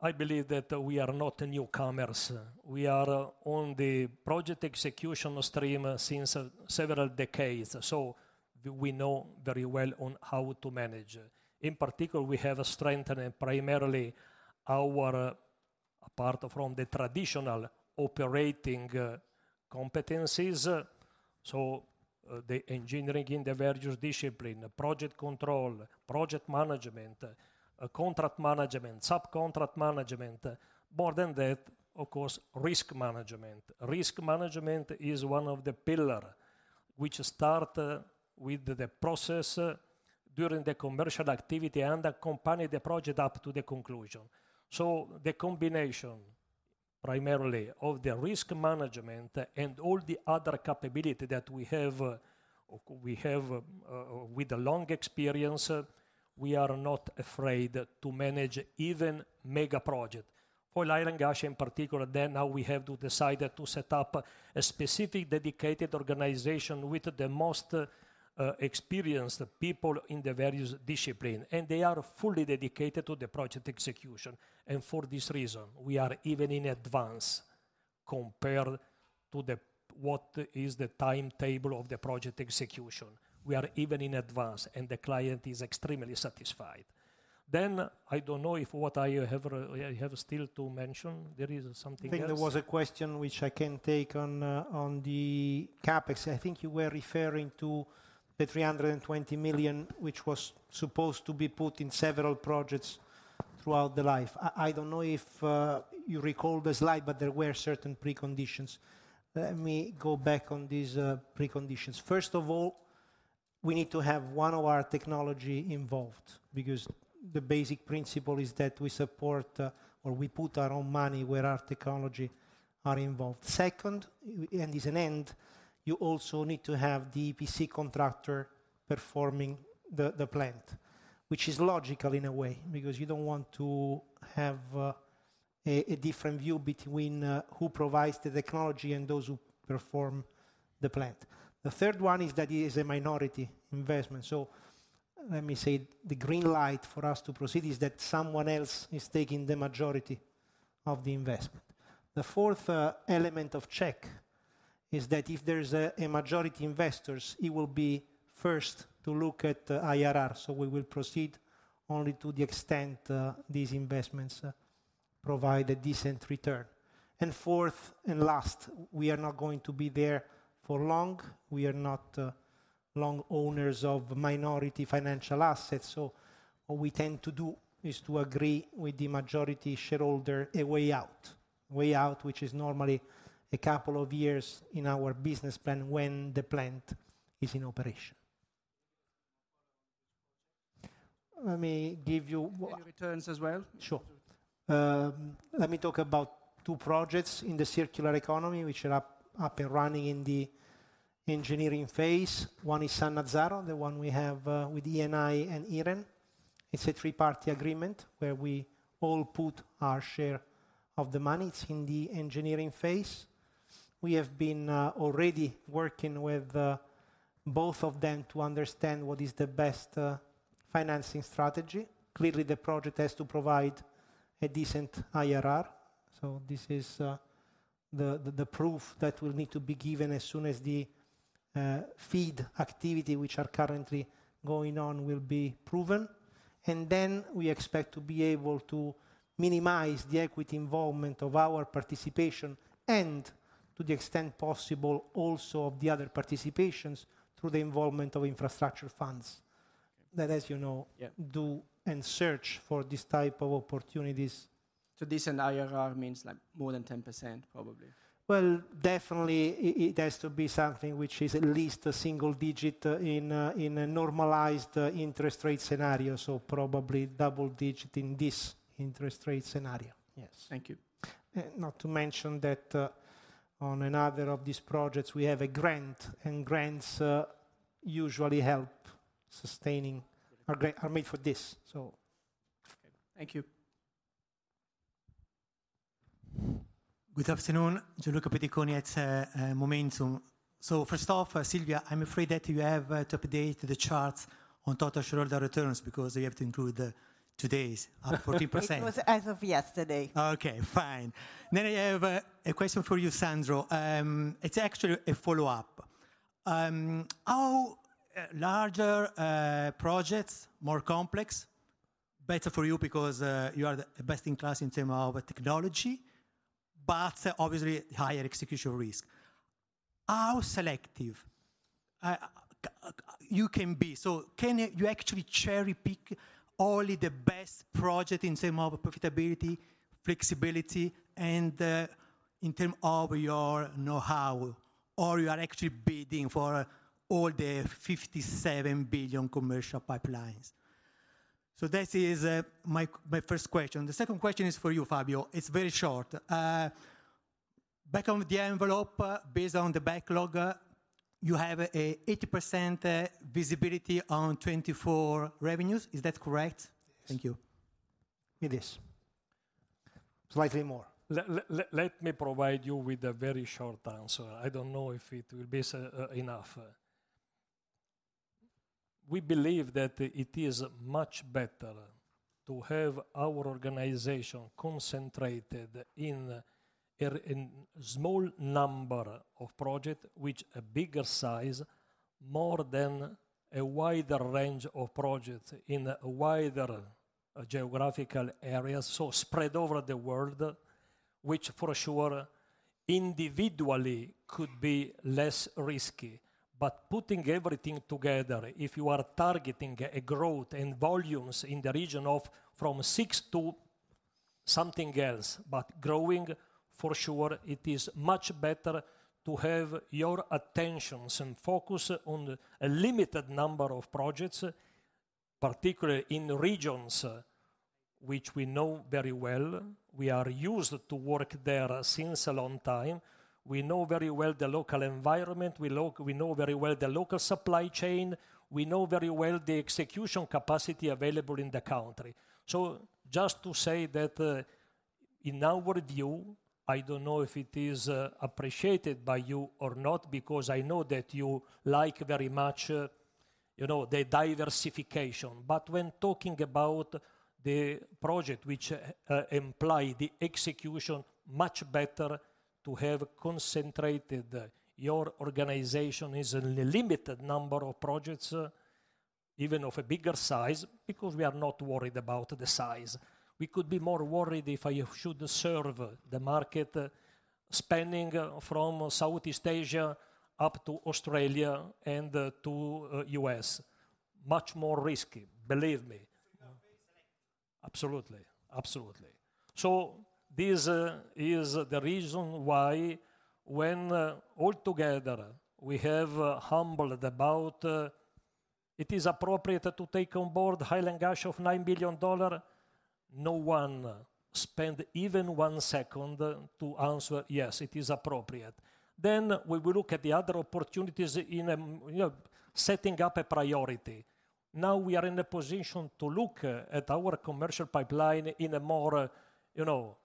I believe that we are not newcomers. We are on the project execution stream since several decades, so we know very well on how to manage. In particular, we have strengthened primarily our, apart from the traditional operating, competencies, the engineering in the various discipline, project control, project management, contract management, subcontract management, more than that, of course, risk management. Risk management is one of the pillar, which start with the process during the commercial activity and accompany the project up to the conclusion. So the combination, primarily of the risk management and all the other capability that we have with the long experience, we are not afraid to manage even mega project. For Hail and Ghasha, in particular, then now we have to decide to set up a specific, dedicated organization with the most experienced people in the various discipline, and they are fully dedicated to the project execution. For this reason, we are even in advance compared to the what is the timetable of the project execution. We are even in advance, and the client is extremely satisfied. I don't know if what I have, I have still to mention. There is something else? I think there was a question which I can take on, on the CapEx. I think you were referring to the 320 million, which was supposed to be put in several projects throughout the life. I don't know if you recall the slide, but there were certain preconditions. Let me go back on these preconditions. First of all, we need to have one of our technology involved, because the basic principle is that we support, or we put our own money where our technology are involved. Second, and is an end, you also need to have the PC contractor performing the plant, which is logical in a way, because you don't want to have a different view between who provides the technology and those who perform the plant. The third one is that it is a minority investment. So let me say the green light for us to proceed is that someone else is taking the majority of the investment. The fourth element of check is that if there's a majority investors, it will be first to look at the IRR, so we will proceed only to the extent these investments provide a decent return. And fourth and last, we are not going to be there for long. We are not long owners of minority financial assets, so what we tend to do is to agree with the majority shareholder a way out. Way out, which is normally a couple of years in our business plan when the plant is in operation. Let me give you- Can you returns as well? Sure. Let me talk about two projects in the circular economy, which are up and running in the engineering phase. One is Sannazzaro, the one we have with Eni and Iren. It's a three-party agreement where we all put our share of the money. It's in the engineering phase. We have been already working with both of them to understand what is the best financing strategy. Clearly, the project has to provide a decent IRR, so this is the proof that will need to be given as soon as the feed activity, which are currently going on, will be proven. And then we expect to be able to minimize the equity involvement of our participation and, to the extent possible, also of the other participations through the involvement of infrastructure funds. That, as you know- Yeah... do and search for this type of opportunities. Decent IRR means, like, more than 10%, probably? Well, definitely it has to be something which is at least a single digit, in a normalized interest rate scenario, so probably double digit in this interest rate scenario. Yes. Thank you. Not to mention that, on another of these projects, we have a grant, and grants usually help sustaining... are made for this, so. Thank you. Good afternoon. Gianluca Pediconi at Momentum. So first off, Silvia, I'm afraid that you have to update the charts on total shareholder returns because you have to include today's, up 40%. It was as of yesterday. Okay, fine. Then I have a question for you, Sandro. It's actually a follow-up. How larger projects, more complex, better for you because you are the best in class in terms of technology, but obviously higher execution risk. How selective can you be? So can you actually cherry-pick only the best project in terms of profitability, flexibility, and in terms of your know-how, or you are actually bidding for all the €57 billion commercial pipelines? So this is my first question. The second question is for you, Fabio. It's very short. Back of the envelope, based on the backlog, you have an 80% visibility on 2024 revenues. Is that correct? Yes. Thank you. It is. Slightly more. Let me provide you with a very short answer. I don't know if it will be enough. We believe that it is much better to have our organization concentrated in a small number of projects, which a bigger size, more than a wider range of projects in a wider geographical area, so spread over the world, which for sure, individually could be less risky. But putting everything together, if you are targeting a growth in volumes in the region of from 6 to something else, but growing, for sure, it is much better to have your attentions and focus on a limited number of projects, particularly in regions which we know very well. We are used to work there since a long time. We know very well the local environment. We know very well the local supply chain. We know very well the execution capacity available in the country. So just to say that, in our view, I don't know if it is appreciated by you or not, because I know that you like very much, you know, the diversification. But when talking about the project which imply the execution, much better to have concentrated your organization is in a limited number of projects, even of a bigger size, because we are not worried about the size. We could be more worried if I should serve the market, spanning from Southeast Asia up to Australia and to U.S. Much more risky, believe me. You are very selective? Absolutely. Absolutely. So this is the reason why when altogether we have humbled about, it is appropriate to take on board Hail and Ghasha of $9 billion, no one spend even one second to answer, "Yes, it is appropriate." Then we will look at the other opportunities in, you know, setting up a priority. Now, we are in a position to look at our commercial pipeline in a more, you know.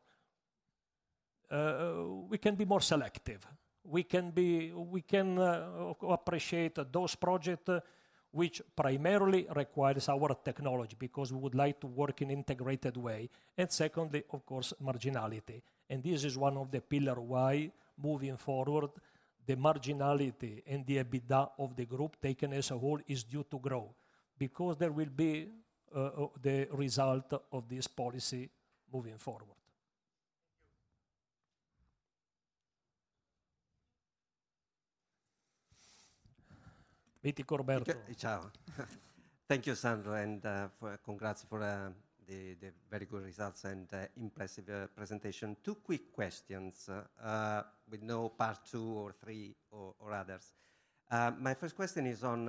We can be more selective. We can appreciate those project which primarily requires our technology, because we would like to work in integrated way, and secondly, of course, marginality. This is one of the pillar why moving forward, the marginality and the EBITDA of the group, taken as a whole, is due to grow, because there will be the result of this policy moving forward. ... Thank you, Roberto. Ciao. Thank you, Sandro, and for congrats for the very good results and impressive presentation. Two quick questions, with no part two or three or others. My first question is on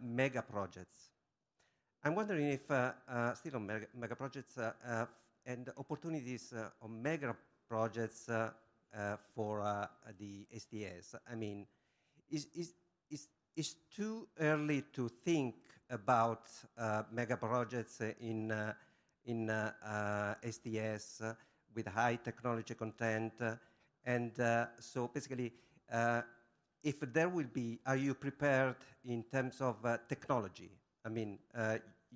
mega projects. I'm wondering if still on mega projects and opportunities on mega projects for the STS. I mean, is too early to think about mega projects in STS with high technology content? And so basically, if there will be, are you prepared in terms of technology? I mean,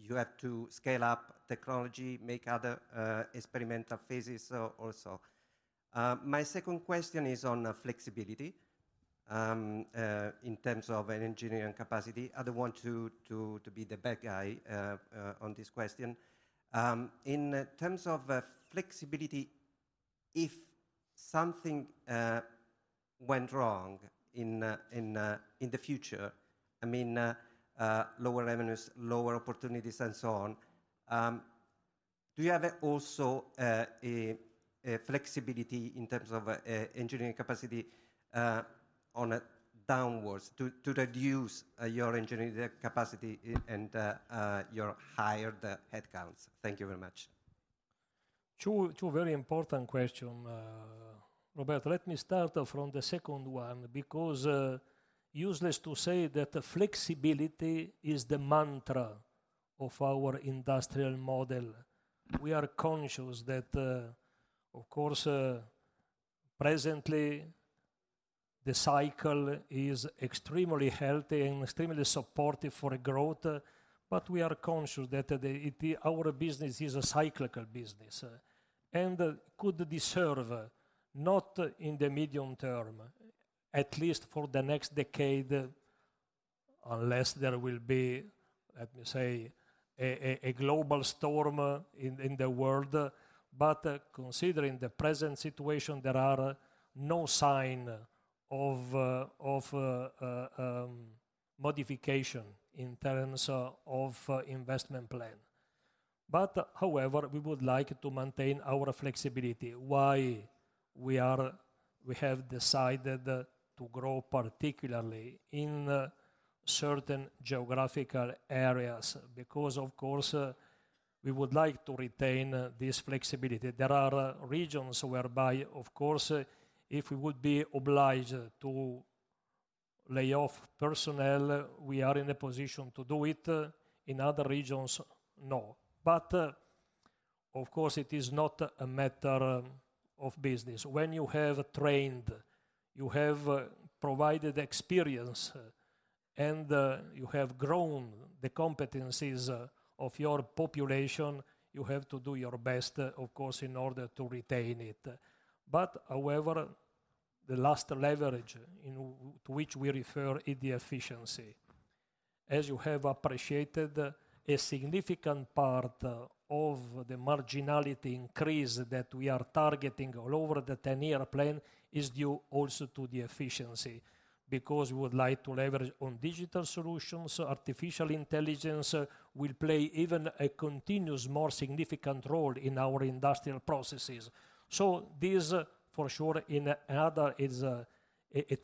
you have to scale up technology, make other experimental phases also. My second question is on flexibility in terms of engineering capacity. I don't want to be the bad guy on this question. In terms of flexibility, if something went wrong in the future, I mean lower revenues, lower opportunities, and so on, do you have also a flexibility in terms of engineering capacity on a downwards to reduce your engineering capacity and your higher headcounts? Thank you very much. 2, 2 very important question, Roberto. Let me start from the second one, because useless to say that flexibility is the mantra of our industrial model. We are conscious that, of course, presently, the cycle is extremely healthy and extremely supportive for growth, but we are conscious that the, it, our business is a cyclical business, and could deserve, not in the medium term, at least for the next decade, unless there will be, let me say, a global storm in the world. But considering the present situation, there are no sign of modification in terms of investment plan. But however, we would like to maintain our flexibility. Why we have decided to grow particularly in certain geographical areas? Because, of course, we would like to retain this flexibility. There are regions whereby, of course, if we would be obliged to lay off personnel, we are in a position to do it. In other regions, no. But of course, it is not a matter of business. When you have trained, you have provided experience, and you have grown the competencies of your population, you have to do your best, of course, in order to retain it. But however, the last leverage in to which we refer is the efficiency. As you have appreciated, a significant part of the marginality increase that we are targeting all over the ten-year plan is due also to the efficiency, because we would like to leverage on digital solutions. Artificial intelligence will play even a continuous, more significant role in our industrial processes. So this, for sure, is a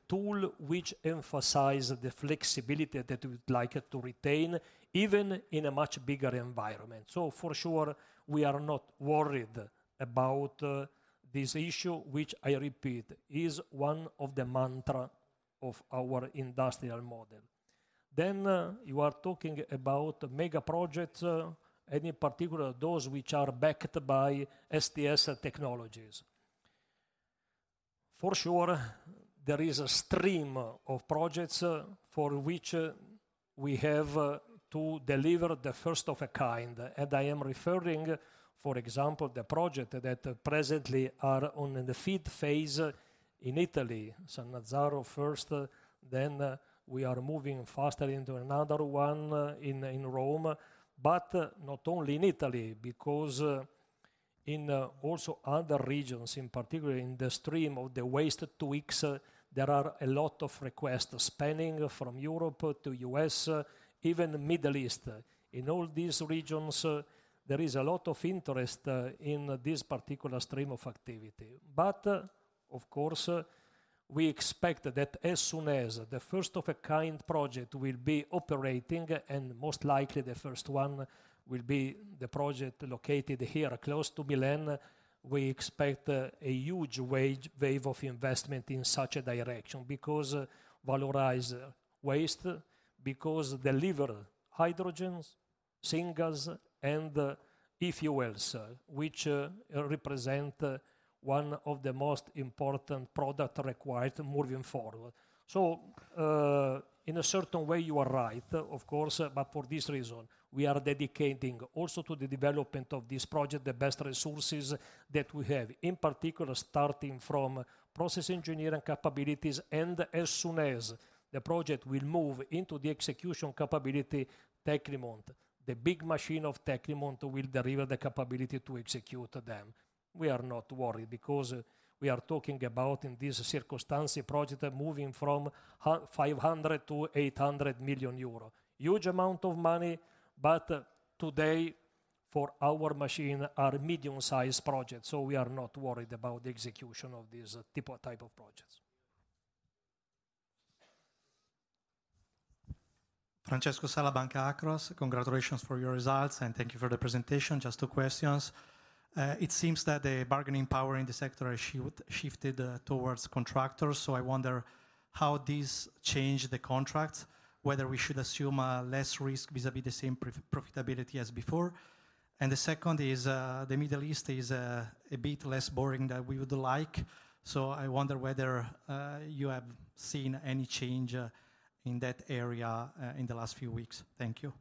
tool which emphasize the flexibility that we would like to retain, even in a much bigger environment. So for sure, we are not worried about this issue, which I repeat, is one of the mantra of our industrial model. Then, you are talking about mega projects, and in particular, those which are backed by STS technologies. For sure, there is a stream of projects, for which we have to deliver the first of a kind, and I am referring, for example, the project that presently are on the FEED phase in Italy, Sannazzaro first, then we are moving faster into another one in Rome. But not only in Italy, because, in, also other regions, in particular in the stream of the waste-to-X, there are a lot of requests spanning from Europe to U.S., even Middle East. In all these regions, there is a lot of interest, in this particular stream of activity. But of course, we expect that as soon as the first of a kind project will be operating, and most likely the first one will be the project located here close to Milan, we expect a huge wave of investment in such a direction, because valorize waste, because deliver hydrogens, syngas, and e-fuels, which, represent one of the most important product required moving forward. So, in a certain way, you are right, of course, but for this reason, we are dedicating also to the development of this project, the best resources that we have, in particular, starting from process engineering capabilities, and as soon as the project will move into the execution capability, Tecnimont, the big machine of Tecnimont will deliver the capability to execute them. We are not worried because we are talking about, in this circumstance, a project moving from 500 million to 800 million euro. Huge amount of money, but for our machine are medium-sized projects, so we are not worried about the execution of these type of projects. Francesco Sala, Banca Akros. Congratulations for your results, and thank you for the presentation. Just two questions: it seems that the bargaining power in the sector has shifted towards contractors, so I wonder how this change the contracts, whether we should assume less risk vis-à-vis the same profitability as before? The second is, the Middle East is a bit less boring than we would like, so I wonder whether you have seen any change in that area in the last few weeks. Thank you.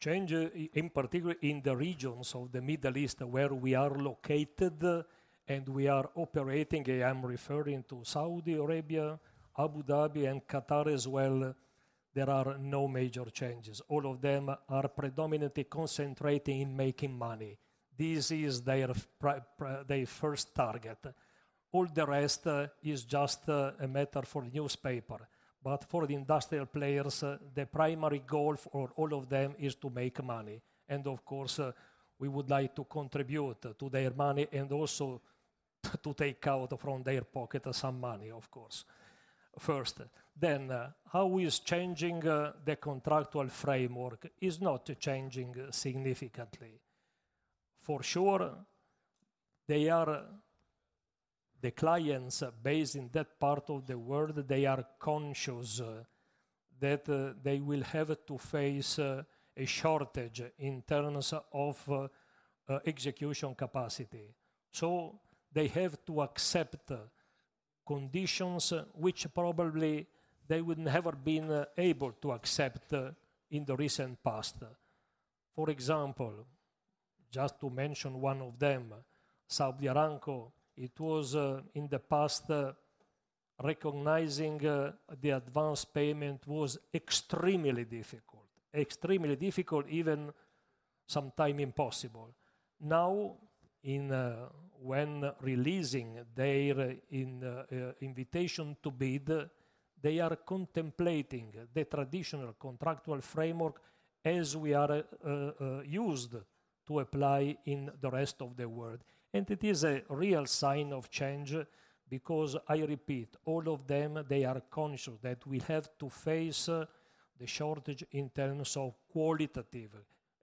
Change, in particular, in the regions of the Middle East where we are located and we are operating. I am referring to Saudi Arabia, Abu Dhabi, and Qatar as well. There are no major changes. All of them are predominantly concentrating in making money. This is their priority, their first target. All the rest is just a matter for newspaper. But for the industrial players, the primary goal for all of them is to make money. And of course, we would like to contribute to their money and also to take out from their pocket some money, of course, first. Then, how is changing the contractual framework? It is not changing significantly. For sure, they are. The clients based in that part of the world, they are conscious that they will have to face a shortage in terms of execution capacity. So they have to accept conditions which probably they would never been able to accept in the recent past. For example, just to mention one of them, Saudi Aramco, it was in the past recognizing the advance payment was extremely difficult. Extremely difficult, even sometimes impossible. Now, when releasing their invitation to bid, they are contemplating the traditional contractual framework as we are used to apply in the rest of the world. It is a real sign of change because, I repeat, all of them, they are conscious that we have to face the shortage in terms of qualitative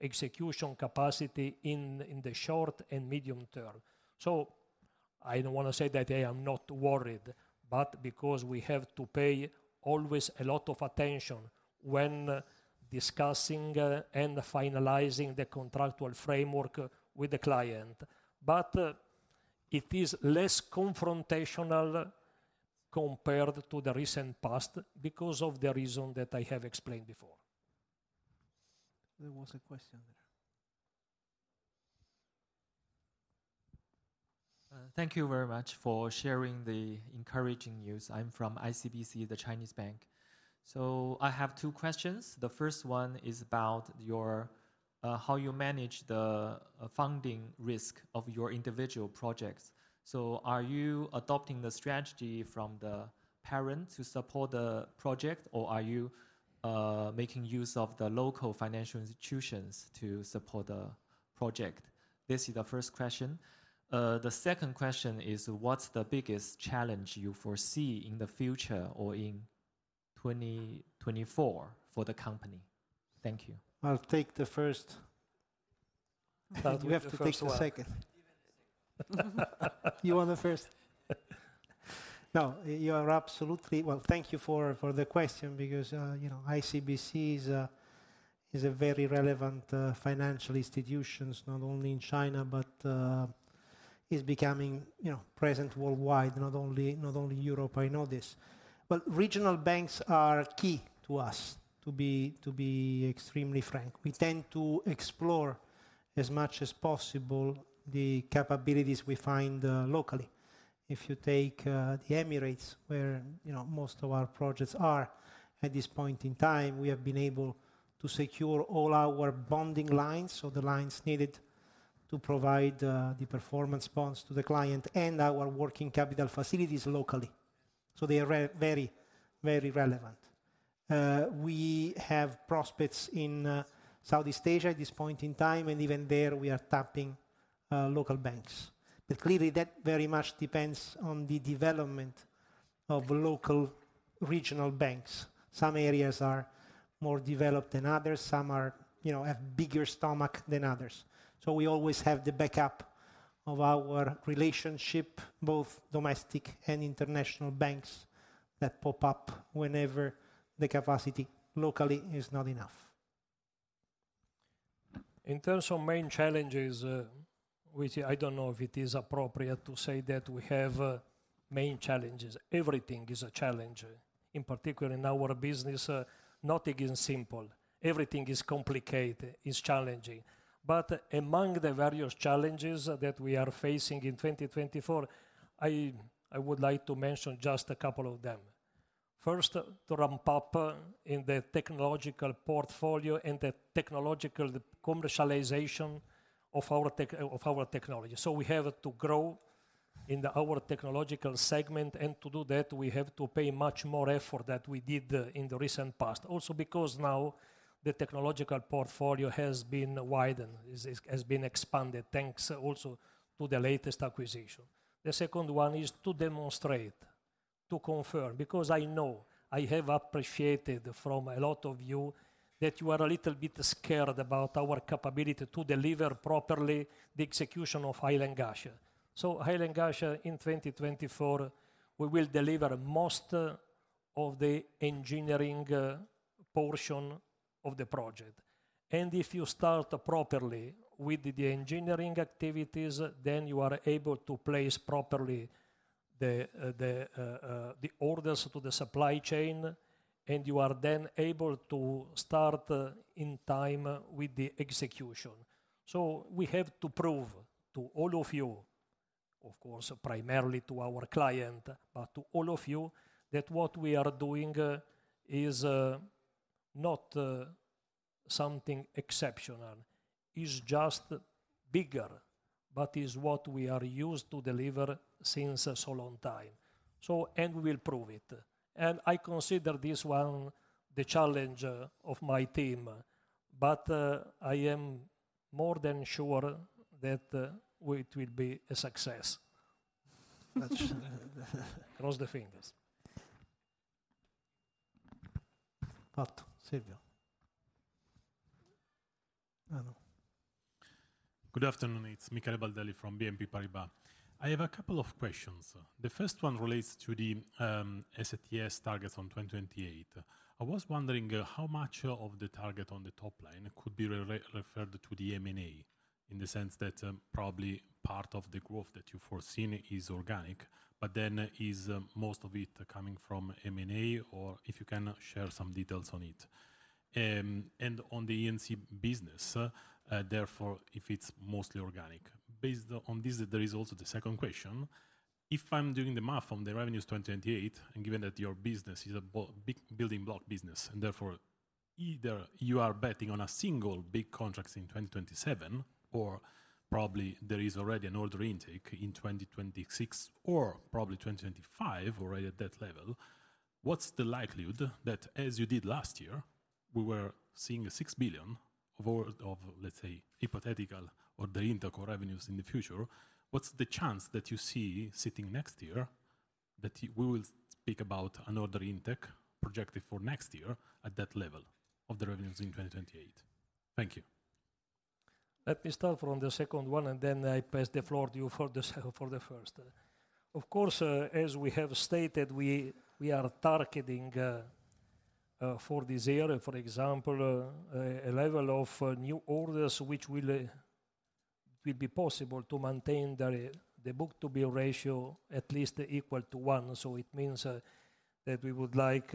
execution capacity in the short and medium term. So I don't want to say that I am not worried, but because we have to pay always a lot of attention when discussing, and finalizing the contractual framework with the client. But, it is less confrontational compared to the recent past because of the reason that I have explained before. There was a question there. Thank you very much for sharing the encouraging news. I'm from ICBC, the Chinese bank. I have two questions. The first one is about your how you manage the funding risk of your individual projects. Are you adopting the strategy from the parent to support the project, or are you making use of the local financial institutions to support the project? This is the first question. The second question is: What's the biggest challenge you foresee in the future or in 2024 for the company? Thank you. I'll take the first. I'll take the first one. You have to take the second. You want the first? No, you are absolutely. Well, thank you for the question because, you know, ICBC is a very relevant financial institutions, not only in China, but is becoming, you know, present worldwide, not only, not only Europe, I know this. But regional banks are key to us, to be extremely frank. We tend to explore as much as possible the capabilities we find locally. If you take the Emirates, where, you know, most of our projects are at this point in time, we have been able to secure all our bonding lines, so the lines needed to provide the performance bonds to the client and our working capital facilities locally. So they are very, very relevant. We have prospects in Southeast Asia at this point in time, and even there, we are tapping local banks. But clearly, that very much depends on the development of local regional banks. Some areas are more developed than others. Some are, you know, have bigger stomach than others. So we always have the backup of our relationship, both domestic and international banks, that pop up whenever the capacity locally is not enough. In terms of main challenges, which I don't know if it is appropriate to say that we have main challenges. Everything is a challenge. In particular, in our business, nothing is simple. Everything is complicated, is challenging. But among the various challenges that we are facing in 2024, I would like to mention just a couple of them. First, to ramp up in the technological portfolio and the technological commercialization of our tech, of our technology. So we have to grow in the our technological segment, and to do that, we have to pay much more effort that we did in the recent past. Also, because now the technological portfolio has been widened, has been expanded, thanks also to the latest acquisition. The second one is to demonstrate, to confirm, because I know, I have appreciated from a lot of you that you are a little bit scared about our capability to deliver properly the execution of Hail and Ghasha. So Hail and Ghasha, in 2024, we will deliver most of the engineering portion of the project. And if you start properly with the engineering activities, then you are able to place properly the orders to the supply chain, and you are then able to start in time with the execution. So we have to prove to all of you, of course, primarily to our client, but to all of you, that what we are doing is not something exceptional, is just bigger, but is what we are used to deliver since a so long time. So... We will prove it. I consider this one the challenge of my team, but I am more than sure that it will be a success. Cross the fingers. Silvio? I know. Good afternoon, it's Michele Baldelli from BNP Paribas. I have a couple of questions. The first one relates to the STS targets on 2028. I was wondering how much of the target on the top line could be referred to the M&A, in the sense that probably part of the growth that you've foreseen is organic, but then is most of it coming from M&A, or if you can share some details on it? And on the E&C business, therefore, if it's mostly organic. Based on this, there is also the second question: If I'm doing the math on the revenues 2028, and given that your business is a big building block business, and therefore either you are betting on a single big contracts in 2027, or probably there is already an order intake in 2026, or probably 2025, already at that level, what's the likelihood that, as you did last year, we were seeing a 6 billion of order of, let's say, hypothetical order intake or revenues in the future, what's the chance that you see sitting next year that we will speak about an order intake projected for next year at that level of the revenues in 2028? Thank you. Let me start from the second one, and then I pass the floor to you for the first. Of course, as we have stated, we are targeting for this year, for example, a level of new orders, which will be possible to maintain the book-to-bill ratio at least equal to one. So it means that we would like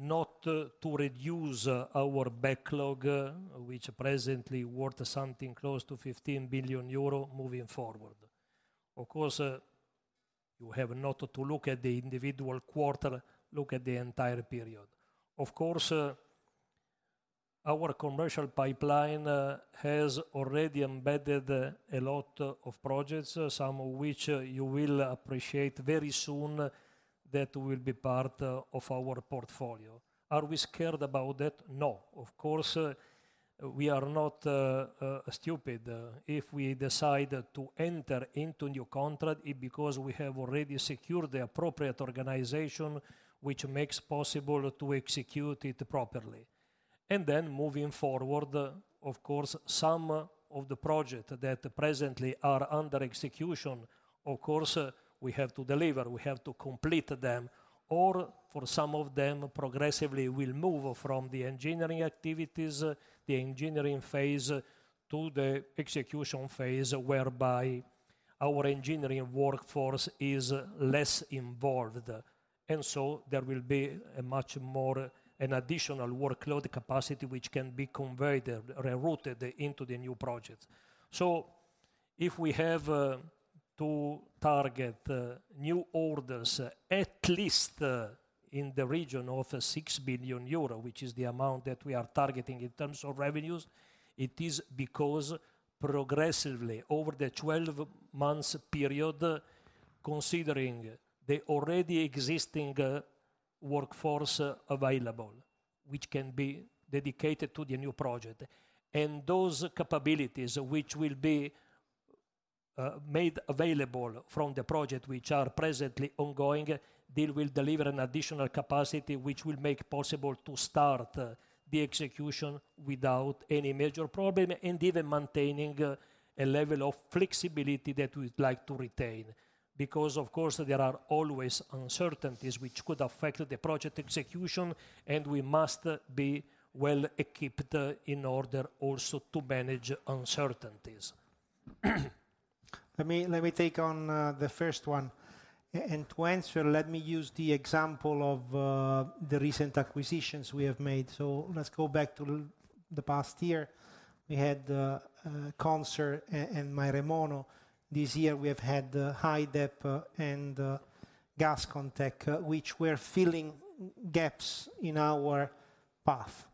not to reduce our backlog, which presently worth something close to 15 billion euro moving forward. Of course, you have not to look at the individual quarter, look at the entire period. Of course, our commercial pipeline has already embedded a lot of projects, some of which you will appreciate very soon, that will be part of our portfolio. Are we scared about that? No. Of course, we are not stupid. If we decide to enter into new contract, it because we have already secured the appropriate organization, which makes possible to execute it properly. And then moving forward, of course, some of the project that presently are under execution, of course, we have to deliver, we have to complete them, or for some of them, progressively will move from the engineering activities, the engineering phase, to the execution phase, whereby our engineering workforce is less involved. And so there will be a much more, an additional workload capacity, which can be converted, rerouted into the new projects. If we have to target new orders, at least in the region of 6 billion euro, which is the amount that we are targeting in terms of revenues, it is because progressively, over the 12-month period, considering the already existing workforce available, which can be dedicated to the new project, and those capabilities which will be made available from the project which are presently ongoing, they will deliver an additional capacity, which will make possible to start the execution without any major problem, and even maintaining a level of flexibility that we'd like to retain. Because, of course, there are always uncertainties which could affect the project execution, and we must be well equipped in order also to manage uncertainties. Let me take on the first one. And to answer, let me use the example of the recent acquisitions we have made. So let's go back to the past year. We had CONSER and MyRemono. This year, we have had HyDEP and GasConTec, which were filling gaps in our path.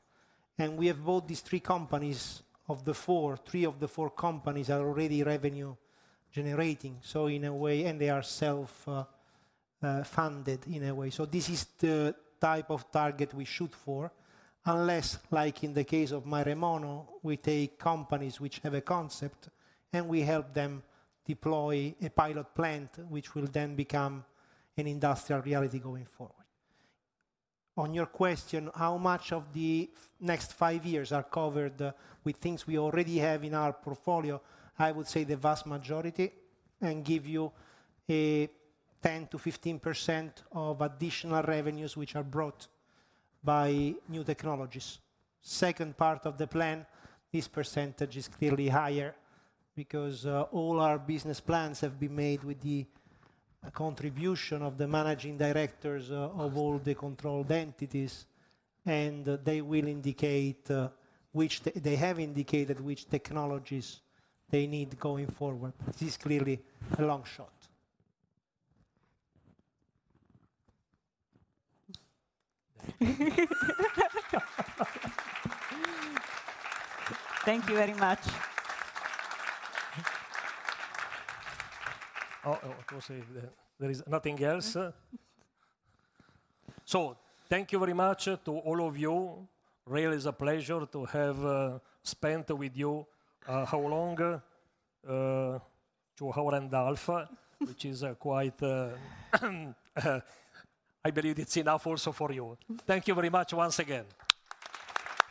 And we have bought these three companies. Of the four, three of the four companies are already revenue generating, so in a way... And they are self funded in a way. So this is the type of target we shoot for, unless, like in the case of MyRemono, we take companies which have a concept, and we help them deploy a pilot plant, which will then become an industrial reality going forward. On your question, how much of the next five years are covered with things we already have in our portfolio? I would say the vast majority, and give you a 10%-15% of additional revenues, which are brought by new technologies. Second part of the plan, this percentage is clearly higher because all our business plans have been made with the contribution of the managing directors of all the controlled entities, and they have indicated which technologies they need going forward. This is clearly a long shot. Thank you very much. Oh, of course, if there is nothing else. So thank you very much to all of you. Really is a pleasure to have spent with you how long? 2 hours and a half, which is quite. I believe it's enough also for you. Thank you very much once again.